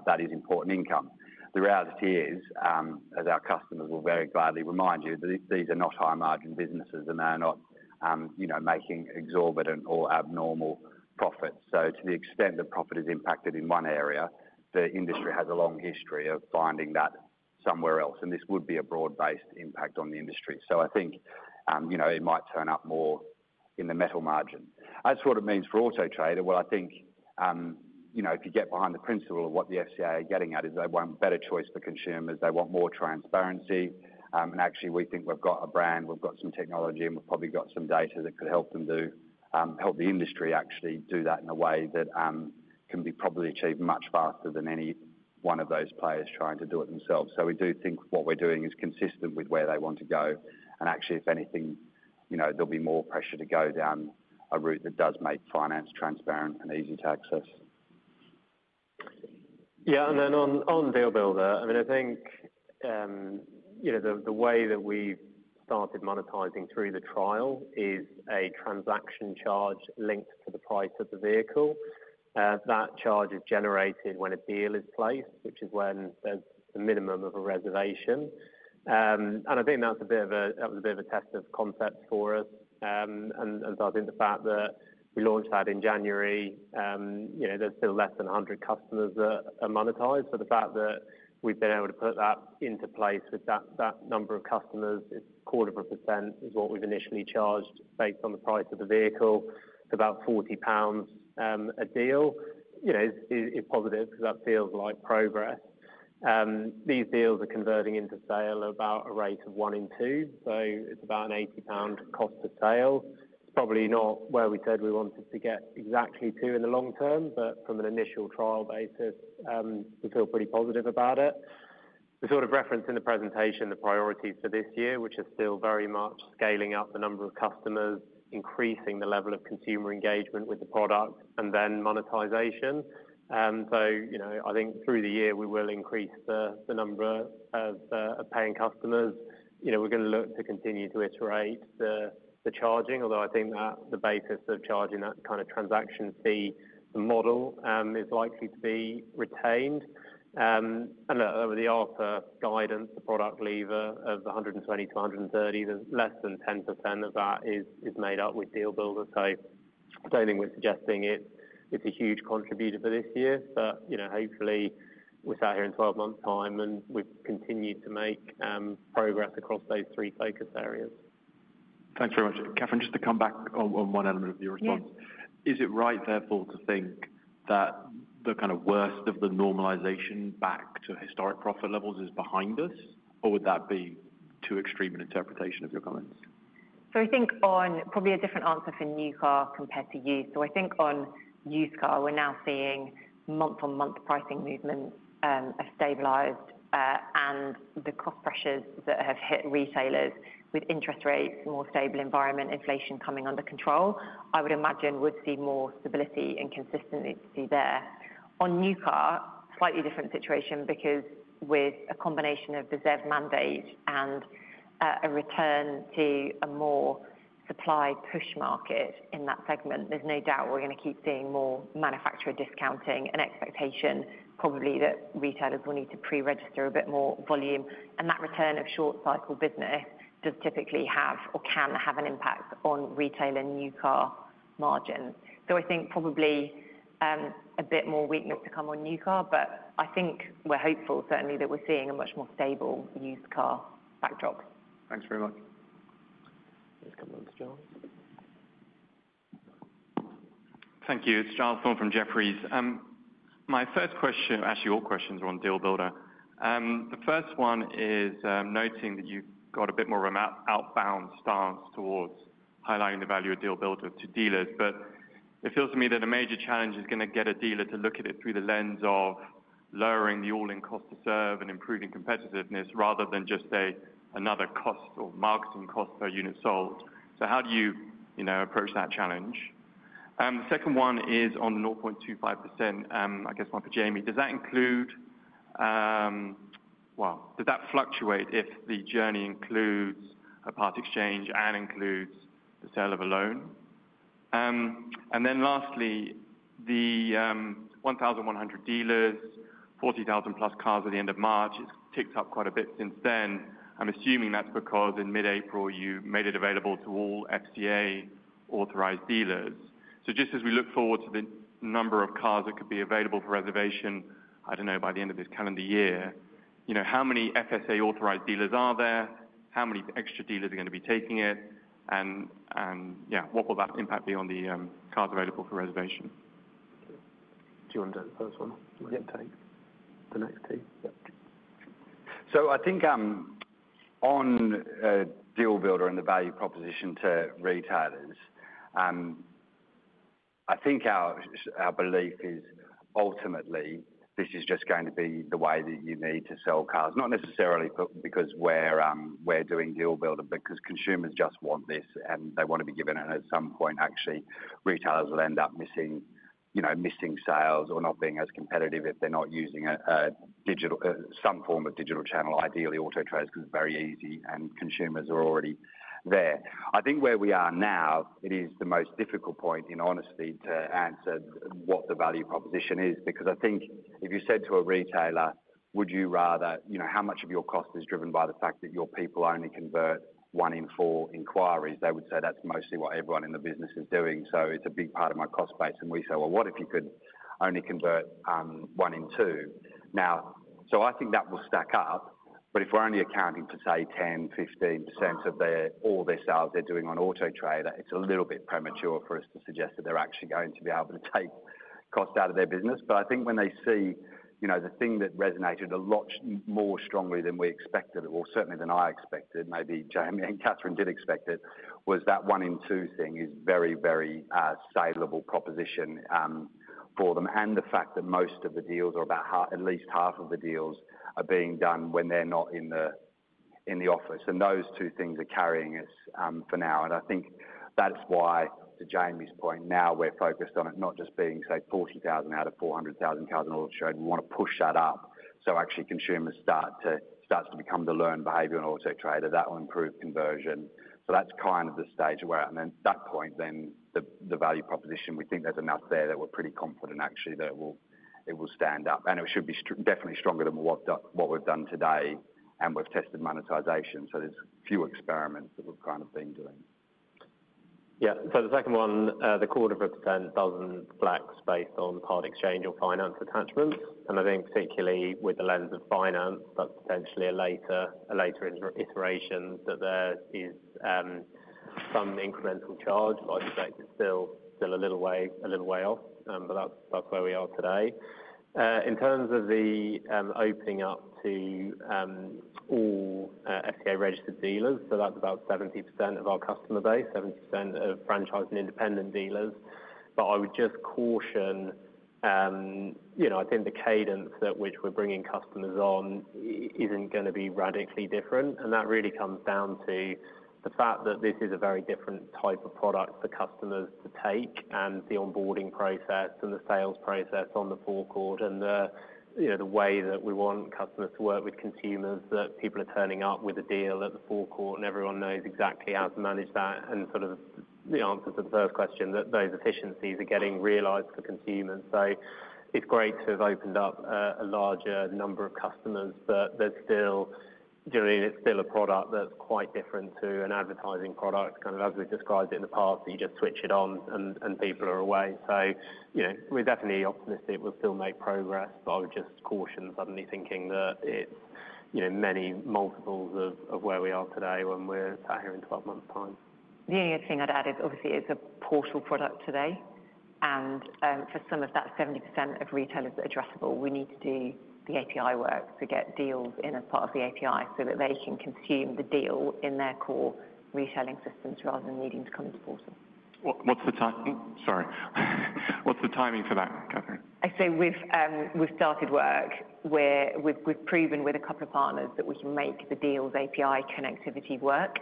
That is important income. The reality is, as our customers will very gladly remind you, that these are not high-margin businesses, and they're not making exorbitant or abnormal profits. So to the extent that profit is impacted in one area, the industry has a long history of finding that somewhere else, and this would be a broad-based impact on the industry. So I think it might turn up more in the metal margin. That's what it means for Auto Trader. Well, I think if you get behind the principle of what the FCA are getting at is they want better choice for consumers, they want more transparency, and actually, we think we've got a brand, we've got some technology, and we've probably got some data that could help them help the industry actually do that in a way that can be probably achieved much faster than any one of those players trying to do it themselves. So we do think what we're doing is consistent with where they want to go, and actually, if anything, there'll be more pressure to go down a route that does make finance transparent and easy to access. Yeah, and then on Deal Builder, I mean, I think the way that we started monetizing through the trial is a transaction charge linked to the price of the vehicle. That charge is generated when a deal is placed, which is when there's the minimum of a reservation. And I think that was a bit of a test of concept for us. So I think the fact that we launched that in January, there's still less than 100 customers that are monetized, but the fact that we've been able to put that into place with that number of customers, 0.25% is what we've initially charged based on the price of the vehicle, about 40 pounds a deal, is positive because that feels like progress. These deals are converting into sale at about a rate of 1 in 2, so it's about an 80 pound cost per sale. Probably not where we said we wanted to get exactly to in the long term, but from an initial trial basis, we feel pretty positive about it. We sort of referenced in the presentation the priorities for this year, which are still very much scaling up the number of customers, increasing the level of consumer engagement with the product, and then monetization. So I think through the year, we will increase the number of paying customers. We're going to look to continue to iterate the charging, although I think that the basis of charging that kind of transaction fee model is likely to be retained. And over the ARPA guidance, the product lever of the 120-130, less than 10% of that is made up with Deal Builder. So I don't think we're suggesting it's a huge contributor for this year, but hopefully, we're sat here in 12 months' time and we've continued to make progress across those three focus areas. Thanks very much. Catherine, just to come back on one element of your response, is it right, therefore, to think that the kind of worst of the normalization back to historic profit levels is behind us, or would that be too extreme an interpretation of your comments? So I think on probably a different answer for new car compared to used. So I think on used car, we're now seeing month-on-month pricing movements have stabilized and the cost pressures that have hit retailers with interest rates, more stable environment, inflation coming under control, I would imagine we'd see more stability and consistency there. On new car, slightly different situation because with a combination of ZEV mandate and a return to a more supply push market in that segment, there's no doubt we're going to keep seeing more manufacturer discounting and expectation probably that retailers will need to pre-register a bit more volume. And that return of short-cycle business does typically have or can have an impact on retailer new car margins. I think probably a bit more weakness to come on new car, but I think we're hopeful, certainly, that we're seeing a much more stable used car backdrop. Thanks very much. Just a couple of minutes, Giles. Thank you. It's Giles Thorne from Jefferies. My first question, actually all questions are on Deal Builder. The first one is noting that you've got a bit more of an outbound stance towards highlighting the value of Deal Builder to dealers, but it feels to me that a major challenge is going to get a dealer to look at it through the lens of lowering the all-in cost to serve and improving competitiveness rather than just another cost or marketing cost per unit sold. So how do you approach that challenge? The second one is on 0.25%, I guess one for Jamie. Does that include well, does that fluctuate if the journey includes a part exchange and includes the sale of a loan? And then lastly, the 1,100 dealers, 40,000+ cars at the end of March, it's ticked up quite a bit since then. I'm assuming that's because in mid-April, you made it available to all FCA-authorised dealers. So just as we look forward to the number of cars that could be available for reservation, I don't know, by the end of this calendar year, how many FCA-authorised dealers are there? How many extra dealers are going to be taking it? And yeah, what will that impact be on the cars available for reservation? Do you want to do the first one? We can take the next two. Yeah. So I think on Deal Builder and the value proposition to retailers, I think our belief is ultimately this is just going to be the way that you need to sell cars, not necessarily because we're doing Deal Builder, but because consumers just want this and they want to be given it. And at some point, actually, retailers will end up missing sales or not being as competitive if they're not using some form of digital channel, ideally Auto Trader's, because it's very easy and consumers are already there. I think where we are now, it is the most difficult point, in honesty, to answer what the value proposition is because I think if you said to a retailer, "Would you rather how much of your cost is driven by the fact that your people only convert one in four inquiries?" They would say that's mostly what everyone in the business is doing. So it's a big part of my cost base. And we say, "Well, what if you could only convert one in two?" Now, so I think that will stack up, but if we're only accounting for, say, 10%, 15% of all their sales they're doing on Auto Trader, it's a little bit premature for us to suggest that they're actually going to be able to take cost out of their business. But I think when they see the thing that resonated a lot more strongly than we expected, or certainly than I expected, maybe Jamie and Catherine did expect it, was that one-in-two thing is a very, very saleable proposition for them and the fact that most of the deals are about at least half of the deals are being done when they're not in the office. And those two things are carrying us for now. I think that's why, to Jamie's point, now we're focused on it not just being, say, 40,000 out of 400,000 cars on Auto Trader. We want to push that up so actually consumers start to become the learned behavior on Auto Trader. That will improve conversion. So that's kind of the stage where at that point, then the value proposition, we think there's enough there that we're pretty confident actually that it will stand up. And it should be definitely stronger than what we've done today, and we've tested monetization. So there's few experiments that we've kind of been doing. Yeah. So the second one, the 0.25% doesn't flex based on part exchange or finance attachments. And I think particularly with the lens of finance, that's potentially a later iteration that there is some incremental charge. Like you said, it's still a little way off, but that's where we are today. In terms of the opening up to all FCA-registered dealers, so that's about 70% of our customer base, 70% of franchise and independent dealers. But I would just caution, I think the cadence at which we're bringing customers on isn't going to be radically different. That really comes down to the fact that this is a very different type of product for customers to take and the onboarding process and the sales process on the forecourt and the way that we want customers to work with consumers, that people are turning up with a deal at the forecourt and everyone knows exactly how to manage that. Sort of the answer to the first question, that those efficiencies are getting realized for consumers. So it's great to have opened up a larger number of customers, but it's still a product that's quite different to an advertising product, kind of as we've described it in the past, that you just switch it on and people are away. We're definitely optimistic we'll still make progress, but I would just caution suddenly thinking that it's many multiples of where we are today when we're sat here in 12 months' time. The only other thing I'd add is obviously it's a Portal product today. For some of that 70% of retailers that are addressable, we need to do the API work to get deals in as part of the API so that they can consume the deal in their core reselling systems rather than needing to come into Portal. What's the timing for that, Catherine? I say we've started work. We've proven with a couple of partners that we can make the deals API connectivity work.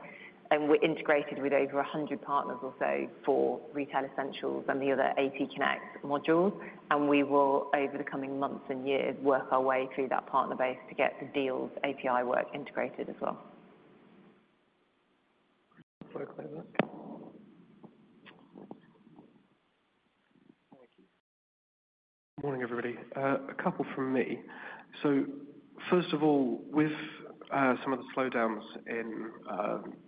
And we're integrated with over 100 partners or so for Retail Essentials and the other AT Connect modules. And we will, over the coming months and years, work our way through that partner base to get the deals API work integrated as well. Adam Berlin. Morning, everybody. A couple from me. So first of all, with some of the slowdowns in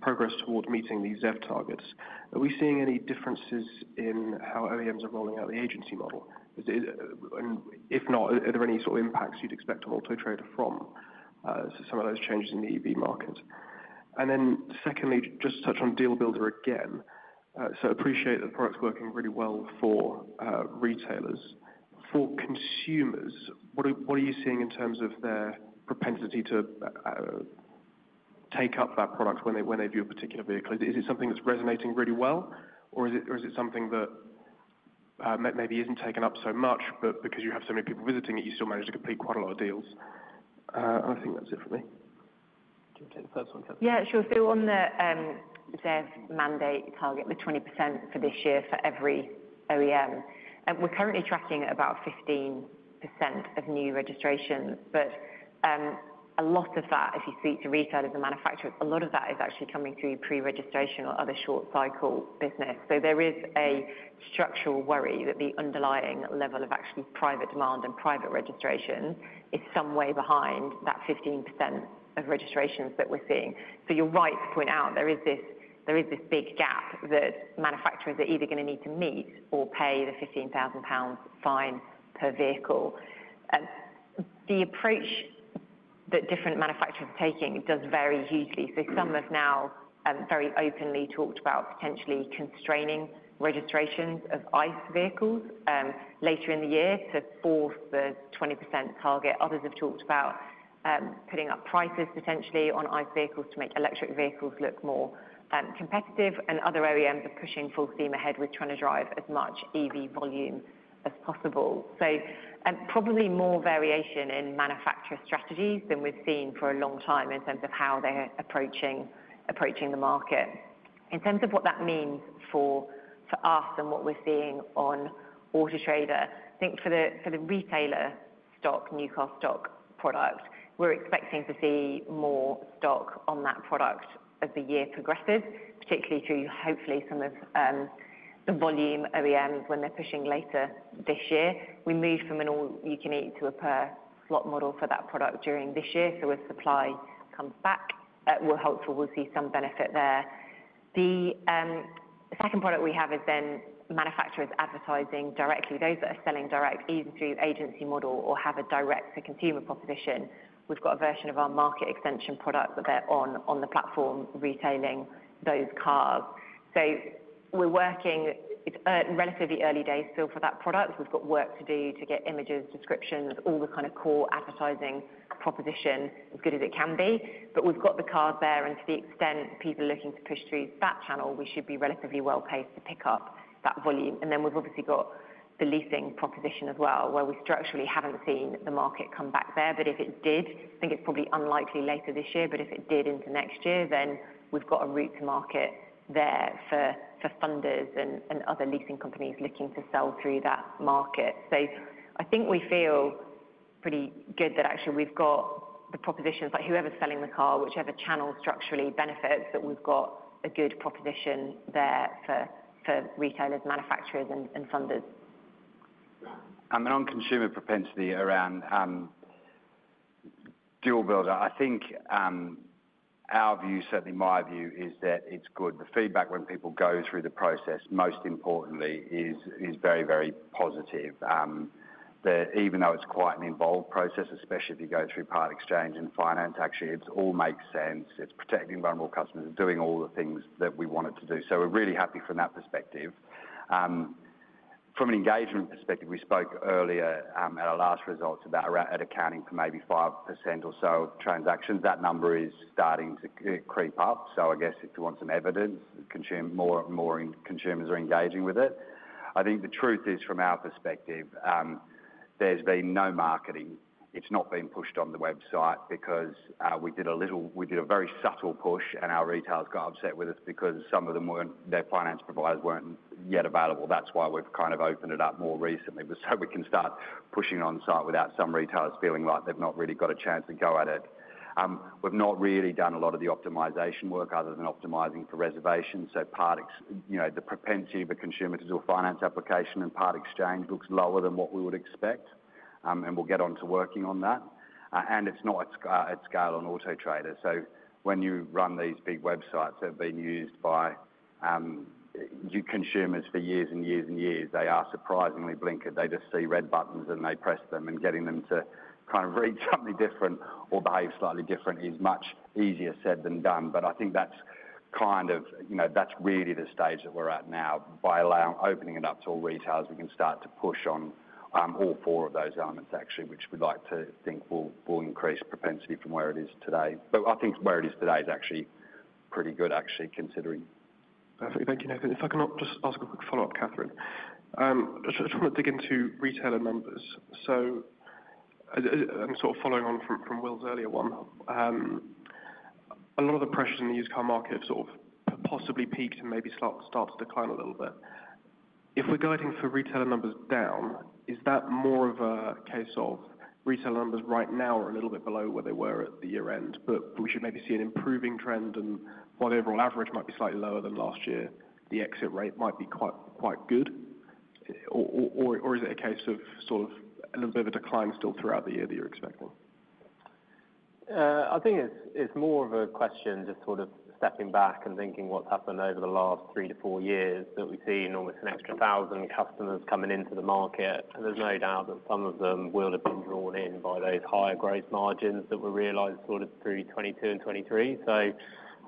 progress towards meeting these ZEV targets, are we seeing any differences in how OEMs are rolling out the agency model? And if not, are there any sort of impacts you'd expect on Auto Trader from some of those changes in the EV market? And then secondly, just to touch on Deal Builder again, so I appreciate that the product's working really well for retailers. For consumers, what are you seeing in terms of their propensity to take up that product when they view a particular vehicle? Is it something that's resonating really well, or is it something that maybe isn't taken up so much, but because you have so many people visiting it, you still manage to complete quite a lot of deals? And I think that's it for me. Do you want to take the first one, Catherine? Yeah, sure. So on the ZEV mandate target, the 20% for this year for every OEM. We're currently tracking about 15% of new registrations, but a lot of that, if you speak to retailers and manufacturers, a lot of that is actually coming through pre-registration or other short-cycle business. So there is a structural worry that the underlying level of actually private demand and private registration is some way behind that 15% of registrations that we're seeing. So you're right to point out there is this big gap that manufacturers are either going to need to meet or pay the 15,000 pounds fine per vehicle. The approach that different manufacturers are taking does vary hugely. So some have now very openly talked about potentially constraining registrations of ICE vehicles later in the year to force the 20% target. Others have talked about putting up prices potentially on ICE vehicles to make electric vehicles look more competitive. Other OEMs are pushing full steam ahead with trying to drive as much EV volume as possible. Probably more variation in manufacturer strategies than we've seen for a long time in terms of how they're approaching the market. In terms of what that means for us and what we're seeing on Auto Trader, I think for the retailer stock, new car stock product, we're expecting to see more stock on that product as the year progresses, particularly through hopefully some of the volume OEMs when they're pushing later this year. We moved from an all-you-can-eat to a per-slot model for that product during this year. As supply comes back, we're hopeful we'll see some benefit there. The second product we have is then manufacturers advertising directly. Those that are selling direct, even through agency model or have a direct-to-consumer proposition, we've got a version of our Market Extension product that they're on the platform retailing those cars. So we're working. It's relatively early days still for that product. We've got work to do to get images, descriptions, all the kind of core advertising proposition as good as it can be. But we've got the cars there, and to the extent people are looking to push through that channel, we should be relatively well-placed to pick up that volume. And then we've obviously got the leasing proposition as well where we structurally haven't seen the market come back there. But if it did, I think it's probably unlikely later this year, but if it did into next year, then we've got a route to market there for funders and other leasing companies looking to sell through that market. So I think we feel pretty good that actually we've got the propositions, like whoever's selling the car, whichever channel structurally benefits that we've got a good proposition there for retailers, manufacturers, and funders. And then on consumer propensity around Deal Builder, I think our view, certainly my view, is that it's good. The feedback when people go through the process, most importantly, is very, very positive. Even though it's quite an involved process, especially if you go through part exchange and finance, actually, it all makes sense. It's protecting vulnerable customers and doing all the things that we want it to do. So we're really happy from that perspective. From an engagement perspective, we spoke earlier at our last results about at accounting for maybe 5% or so of transactions. That number is starting to creep up. So I guess if you want some evidence, more and more consumers are engaging with it. I think the truth is, from our perspective, there's been no marketing. It's not been pushed on the website because we did a very subtle push, and our retailers got upset with us because some of their finance providers weren't yet available. That's why we've kind of opened it up more recently, so we can start pushing on-site without some retailers feeling like they've not really got a chance to go at it. We've not really done a lot of the optimization work other than optimizing for reservations. So the propensity of a consumer to do a finance application and part exchange looks lower than what we would expect. And we'll get on to working on that. And it's not at scale on Auto Trader. So when you run these big websites that have been used by consumers for years and years and years, they are surprisingly blinkered. They just see red buttons and they press them. Getting them to kind of read something different or behave slightly different is much easier said than done. But I think that's kind of that's really the stage that we're at now. By opening it up to all retailers, we can start to push on all four of those elements, actually, which we'd like to think will increase propensity from where it is today. I think where it is today is actually pretty good, actually, considering. Perfect. Thank you. If I can just ask a quick follow-up, Catherine. I just want to dig into retailer numbers. And sort of following on from Will's earlier one, a lot of the pressures in the used car market have sort of possibly peaked and maybe start to decline a little bit. If we're guiding for retailer numbers down, is that more of a case of retailer numbers right now are a little bit below where they were at the year-end, but we should maybe see an improving trend and while the overall average might be slightly lower than last year, the exit rate might be quite good? Or is it a case of sort of a little bit of a decline still throughout the year that you're expecting? I think it's more of a question just sort of stepping back and thinking what's happened over the last 3-4 years that we've seen almost an extra 1,000 customers coming into the market. And there's no doubt that some of them will have been drawn in by those higher gross margins that were realised sort of through 2022 and 2023. So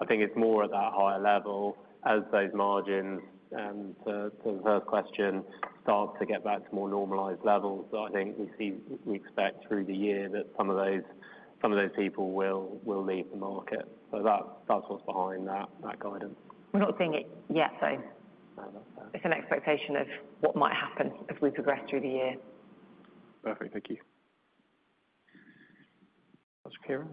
I think it's more at that higher level as those margins, to the first question, start to get back to more normalised levels. I think we expect through the year that some of those people will leave the market. So that's what's behind that guidance. We're not seeing it yet, though. It's an expectation of what might happen as we progress through the year. Perfect. Thank you. That's from Ciaran.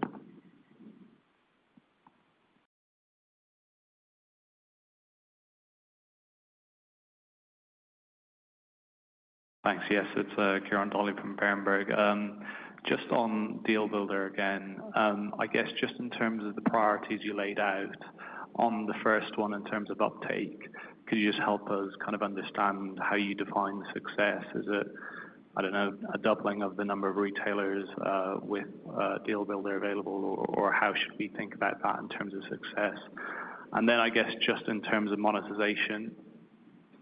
Thanks. Yes, it's Ciaran Donnelly from Berenberg. Just on Deal Builder again, I guess just in terms of the priorities you laid out on the first one in terms of uptake, could you just help us kind of understand how you define success? Is it, I don't know, a doubling of the number of retailers with Deal Builder available, or how should we think about that in terms of success? And then I guess just in terms of monetization,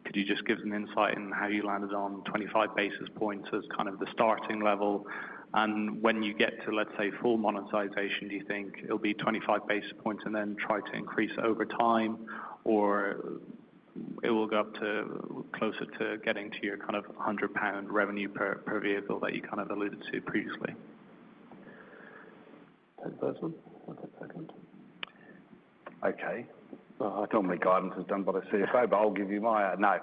could you just give some insight in how you landed on 25 basis points as kind of the starting level? And when you get to, let's say, full monetization, do you think it'll be 25 basis points and then try to increase over time, or it will go up closer to getting to your kind of 100 pound revenue per vehicle that you kind of alluded to previously? Take the first one. What's the second? Okay. I don't mean guidance is done by the CFO, but I'll give you mine. No.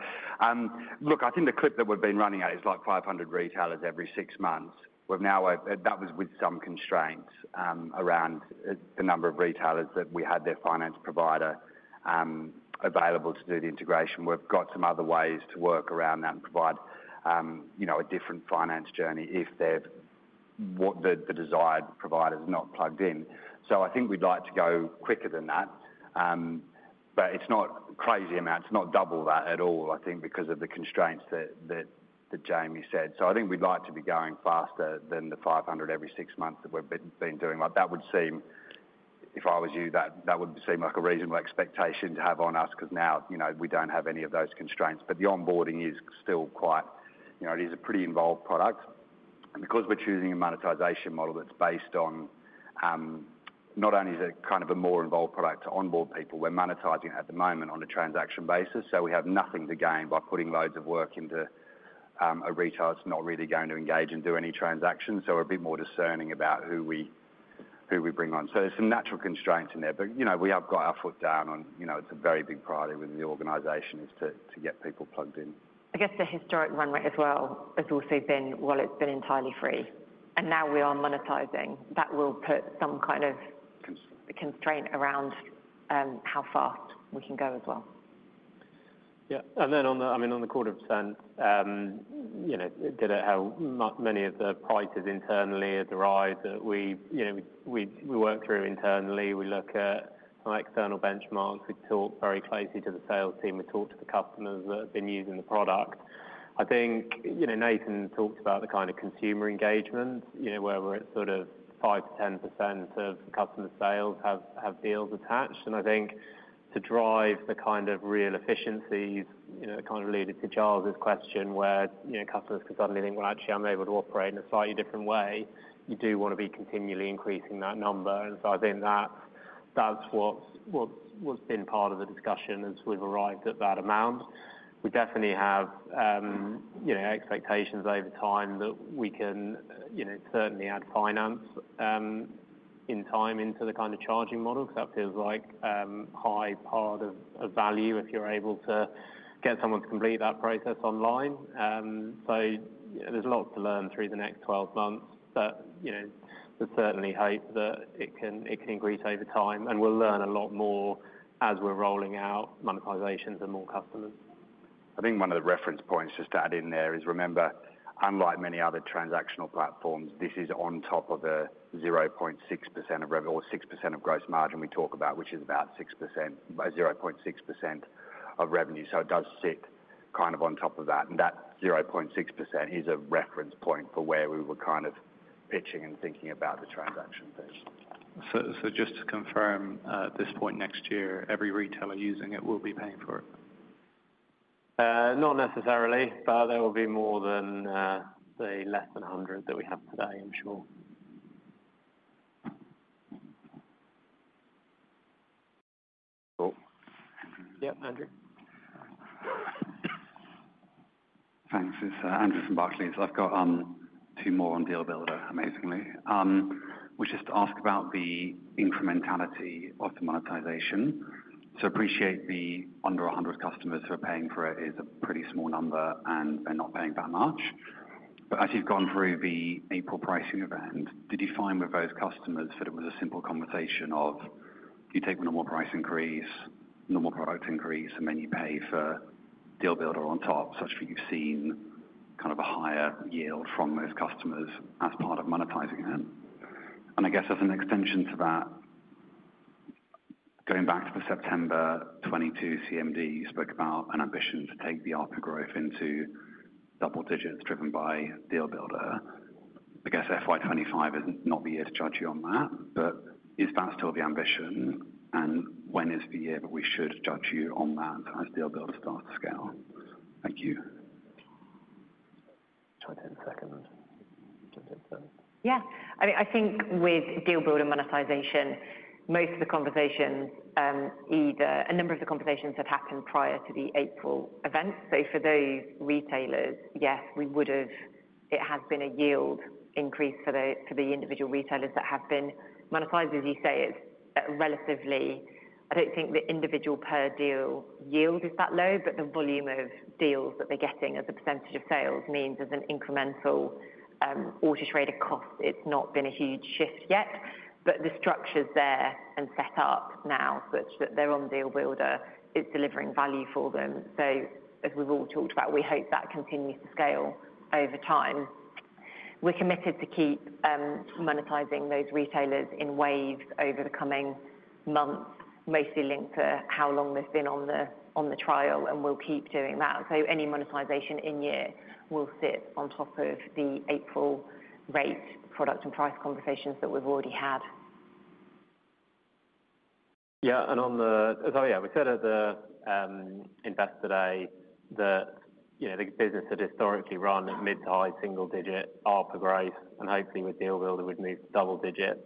Look, I think the clip that we've been running at is like 500 retailers every 6 months. That was with some constraints around the number of retailers that we had their finance provider available to do the integration. We've got some other ways to work around that and provide a different finance journey if the desired provider's not plugged in. So I think we'd like to go quicker than that. But it's not crazy amounts. It's not double that at all, I think, because of the constraints that Jamie said. So I think we'd like to be going faster than the 500 every 6 months that we've been doing. If I was you, that would seem like a reasonable expectation to have on us because now we don't have any of those constraints. But the onboarding is still a pretty involved product. Because we're choosing a monetization model that's based on not only is it kind of a more involved product to onboard people, we're monetizing it at the moment on a transaction basis. We have nothing to gain by putting loads of work into a retailer that's not really going to engage and do any transactions. We're a bit more discerning about who we bring on. There's some natural constraints in there. But we have got our foot down on it. It's a very big priority within the organization is to get people plugged in. I guess the historic runway as well has also been while it's been entirely free. Now we are monetizing. That will put some kind of constraint around how fast we can go as well. Yeah. And then on the—I mean, on the 0.25%, how many of the prices internally have we arrived at that we work through internally. We look at our external benchmarks. We talk very closely to the sales team. We talk to the customers that have been using the product. I think Nathan talked about the kind of consumer engagement where we're at sort of 5%-10% of customer sales have deals attached. And I think to drive the kind of real efficiencies, it kind of alluded to Giles's question where customers could suddenly think, "Well, actually, I'm able to operate in a slightly different way." You do want to be continually increasing that number. And so I think that's what's been part of the discussion as we've arrived at that amount. We definitely have expectations over time that we can certainly add finance in time into the kind of charging model because that feels like a high part of value if you're able to get someone to complete that process online. So there's lots to learn through the next 12 months, but there's certainly hope that it can increase over time. And we'll learn a lot more as we're rolling out monetisations and more customers. I think one of the reference points just to add in there is remember, unlike many other transactional platforms, this is on top of the 0.6% of revenue or 6% of gross margin we talk about, which is about 0.6% of revenue. So it does sit kind of on top of that. And that 0.6% is a reference point for where we were kind of pitching and thinking about the transaction fees. Just to confirm, at this point next year, every retailer using it will be paying for it? Not necessarily, but there will be more than, say, less than 100 that we have today. I'm sure. Cool. Yep, Andrew. Thanks, Andrew from Barclays. I've got two more on Deal Builder, amazingly, which is to ask about the incrementality of the monetization. So I appreciate the under 100 customers who are paying for it is a pretty small number, and they're not paying that much. But as you've gone through the April pricing event, did you find with those customers that it was a simple conversation of you take a normal price increase, normal product increase, and then you pay for Deal Builder on top such that you've seen kind of a higher yield from those customers as part of monetizing it? And I guess as an extension to that, going back to September 2022 CMD, you spoke about an ambition to take the ARPA growth into double digits driven by Deal Builder. I guess FY25 is not the year to judge you on that, but is that still the ambition? When is the year that we should judge you on that as Deal Builder starts to scale? Thank you. Try 10 seconds. Yeah. I mean, I think with Deal Builder monetization, most of the conversations either a number of the conversations have happened prior to the April event. So for those retailers, yes, it has been a yield increase for the individual retailers that have been monetized. As you say, it's relatively. I don't think the individual per deal yield is that low, but the volume of deals that they're getting as a percentage of sales means as an incremental Auto Trader cost, it's not been a huge shift yet. But the structure's there and set up now such that they're on Deal Builder. It's delivering value for them. So as we've all talked about, we hope that continues to scale over time. We're committed to keep monetizing those retailers in waves over the coming months, mostly linked to how long they've been on the trial, and we'll keep doing that. Any monetization in year will sit on top of the April rate product and price conversations that we've already had. Yeah. And oh yeah, we said at the Investor Day that the business had historically run at mid- to high single-digit ARPA growth. And hopefully, with Deal Builder, we'd move double digits.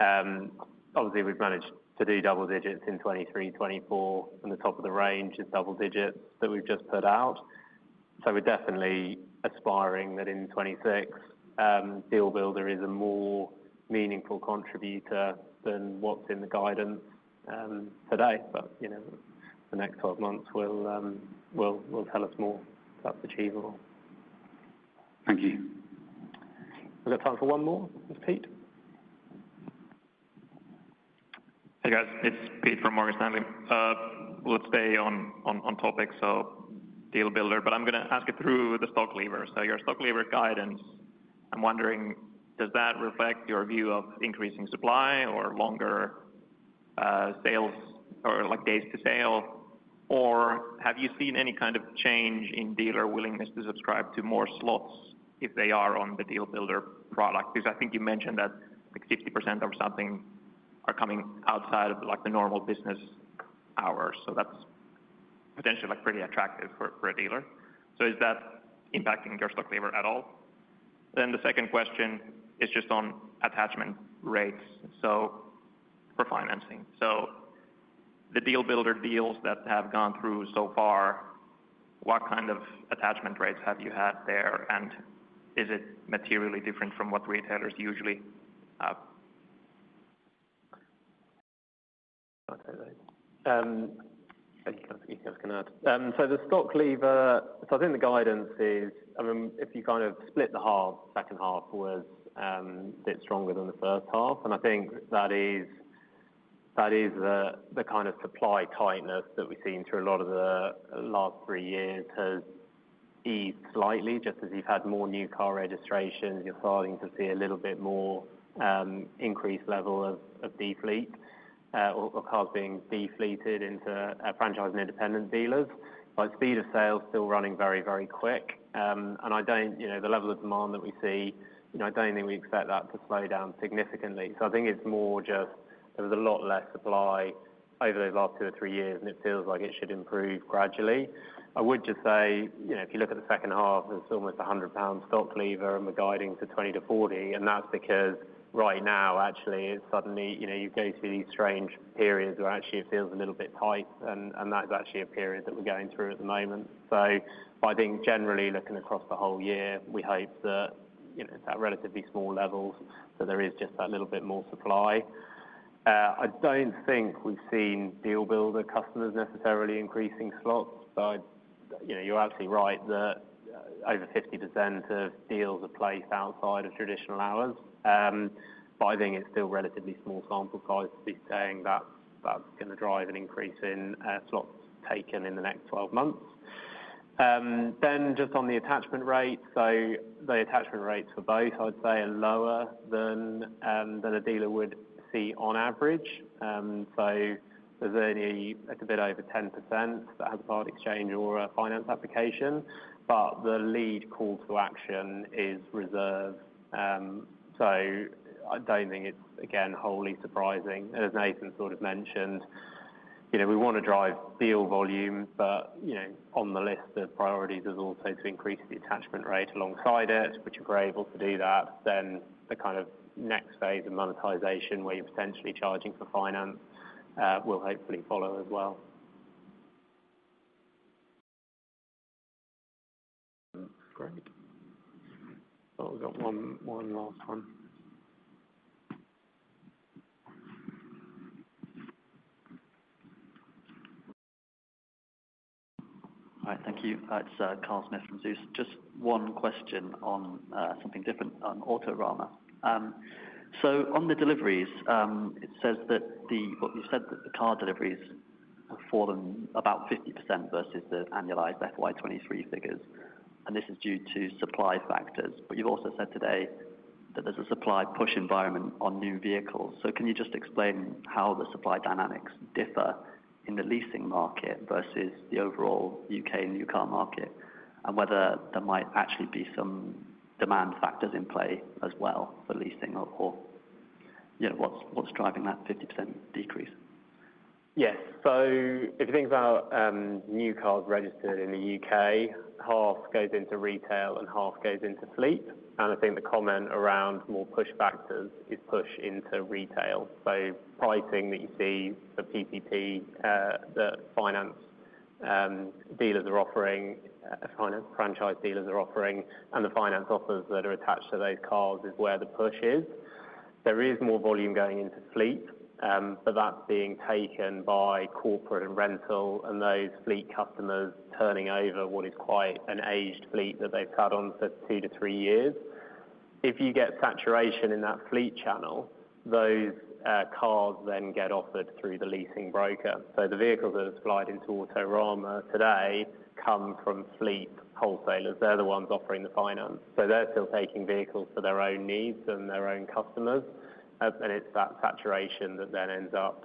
Obviously, we've managed to do double digits in 2023, 2024, and the top of the range is double digits that we've just put out. So we're definitely aspiring that in 2026, Deal Builder is a more meaningful contributor than what's in the guidance today. But the next 12 months will tell us more that's achievable. Thank you. We've got time for one more. Is this Pete? Hey, guys. It's Pete from Morgan Stanley. We'll stay on topics of Deal Builder. But I'm going to ask it through the stock lever. So your stock lever guidance, I'm wondering, does that reflect your view of increasing supply or longer sales or days to sale? Or have you seen any kind of change in dealer willingness to subscribe to more slots if they are on the Deal Builder product? Because I think you mentioned that 50% or something are coming outside of the normal business hours. So that's potentially pretty attractive for a dealer. So is that impacting your stock lever at all? Then the second question is just on attachment rates for financing. So the Deal Builder deals that have gone through so far, what kind of attachment rates have you had there? And is it materially different from what retailers usually have? I can add. So the stock level, so I think the guidance is, I mean, if you kind of split the second half, it was a bit stronger than the first half. And I think that is the kind of supply tightness that we've seen through a lot of the last three years has eased slightly, just as you've had more new car registrations, you're starting to see a little bit more increased level of defleeted cars being defleeted into franchise and independent dealers. But speed of sale is still running very, very quick. And the level of demand that we see, I don't think we expect that to slow down significantly. So I think it's more just there was a lot less supply over those last two or three years, and it feels like it should improve gradually. I would just say, if you look at the second half, there's almost a 100 pound stock lever and we're guiding to 20-40. And that's because right now, actually, it's suddenly you go through these strange periods where actually it feels a little bit tight. And that's actually a period that we're going through at the moment. So I think generally, looking across the whole year, we hope that it's at relatively small levels, that there is just that little bit more supply. I don't think we've seen Deal Builder customers necessarily increasing slots. So you're absolutely right that over 50% of deals are placed outside of traditional hours. But I think it's still relatively small sample sizes to be saying that's going to drive an increase in slots taken in the next 12 months. Then just on the attachment rates, so the attachment rates for both, I'd say are lower than a dealer would see on average. So there's only a bit over 10% that have a part exchange or a finance application. But the lead call to action is reserve. So I don't think it's, again, wholly surprising. As Nathan sort of mentioned, we want to drive deal volume, but on the list of priorities is also to increase the attachment rate alongside it, which if we're able to do that, then the kind of next phase of monetization where you're potentially charging for finance will hopefully follow as well. Great. Oh, we've got one last one. All right. Thank you. That's Carl Smith from Zeus. Just one question on something different on Autorama. So on the deliveries, it says that what you said that the car deliveries have fallen about 50% versus the annualized FY23 figures. And this is due to supply factors. But you've also said today that there's a supply push environment on new vehicles. So can you just explain how the supply dynamics differ in the leasing market versus the overall U.K. new car market and whether there might actually be some demand factors in play as well for leasing or what's driving that 50% decrease? Yes. So if you think about new cars registered in the U.K., half goes into retail and half goes into fleet. And I think the comment around more push factors is push into retail. So pricing that you see for PCP that dealers are offering, franchise dealers are offering, and the finance offers that are attached to those cars is where the push is. There is more volume going into fleet, but that's being taken by corporate and rental and those fleet customers turning over what is quite an aged fleet that they've had on for 2-3 years. If you get saturation in that fleet channel, those cars then get offered through the leasing broker. So the vehicles that have supplied into Autorama today come from fleet wholesalers. They're the ones offering the finance. So they're still taking vehicles for their own needs and their own customers. And it's that saturation that then ends up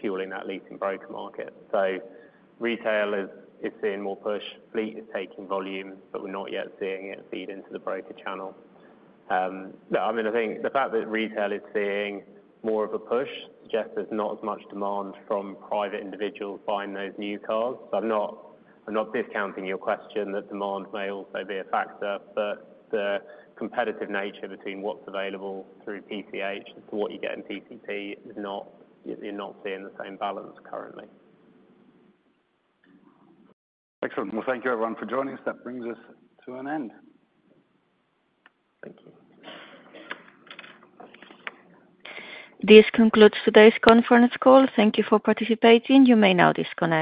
fueling that leasing broker market. So retail is seeing more push. Fleet is taking volume, but we're not yet seeing it feed into the broker channel. I mean, I think the fact that retail is seeing more of a push suggests there's not as much demand from private individuals buying those new cars. So I'm not discounting your question that demand may also be a factor, but the competitive nature between what's available through PCH to what you get in PCP is not—you're not seeing the same balance currently. Excellent. Well, thank you, everyone, for joining us. That brings us to an end. This concludes today's conference call. Thank you for participating. You may now disconnect.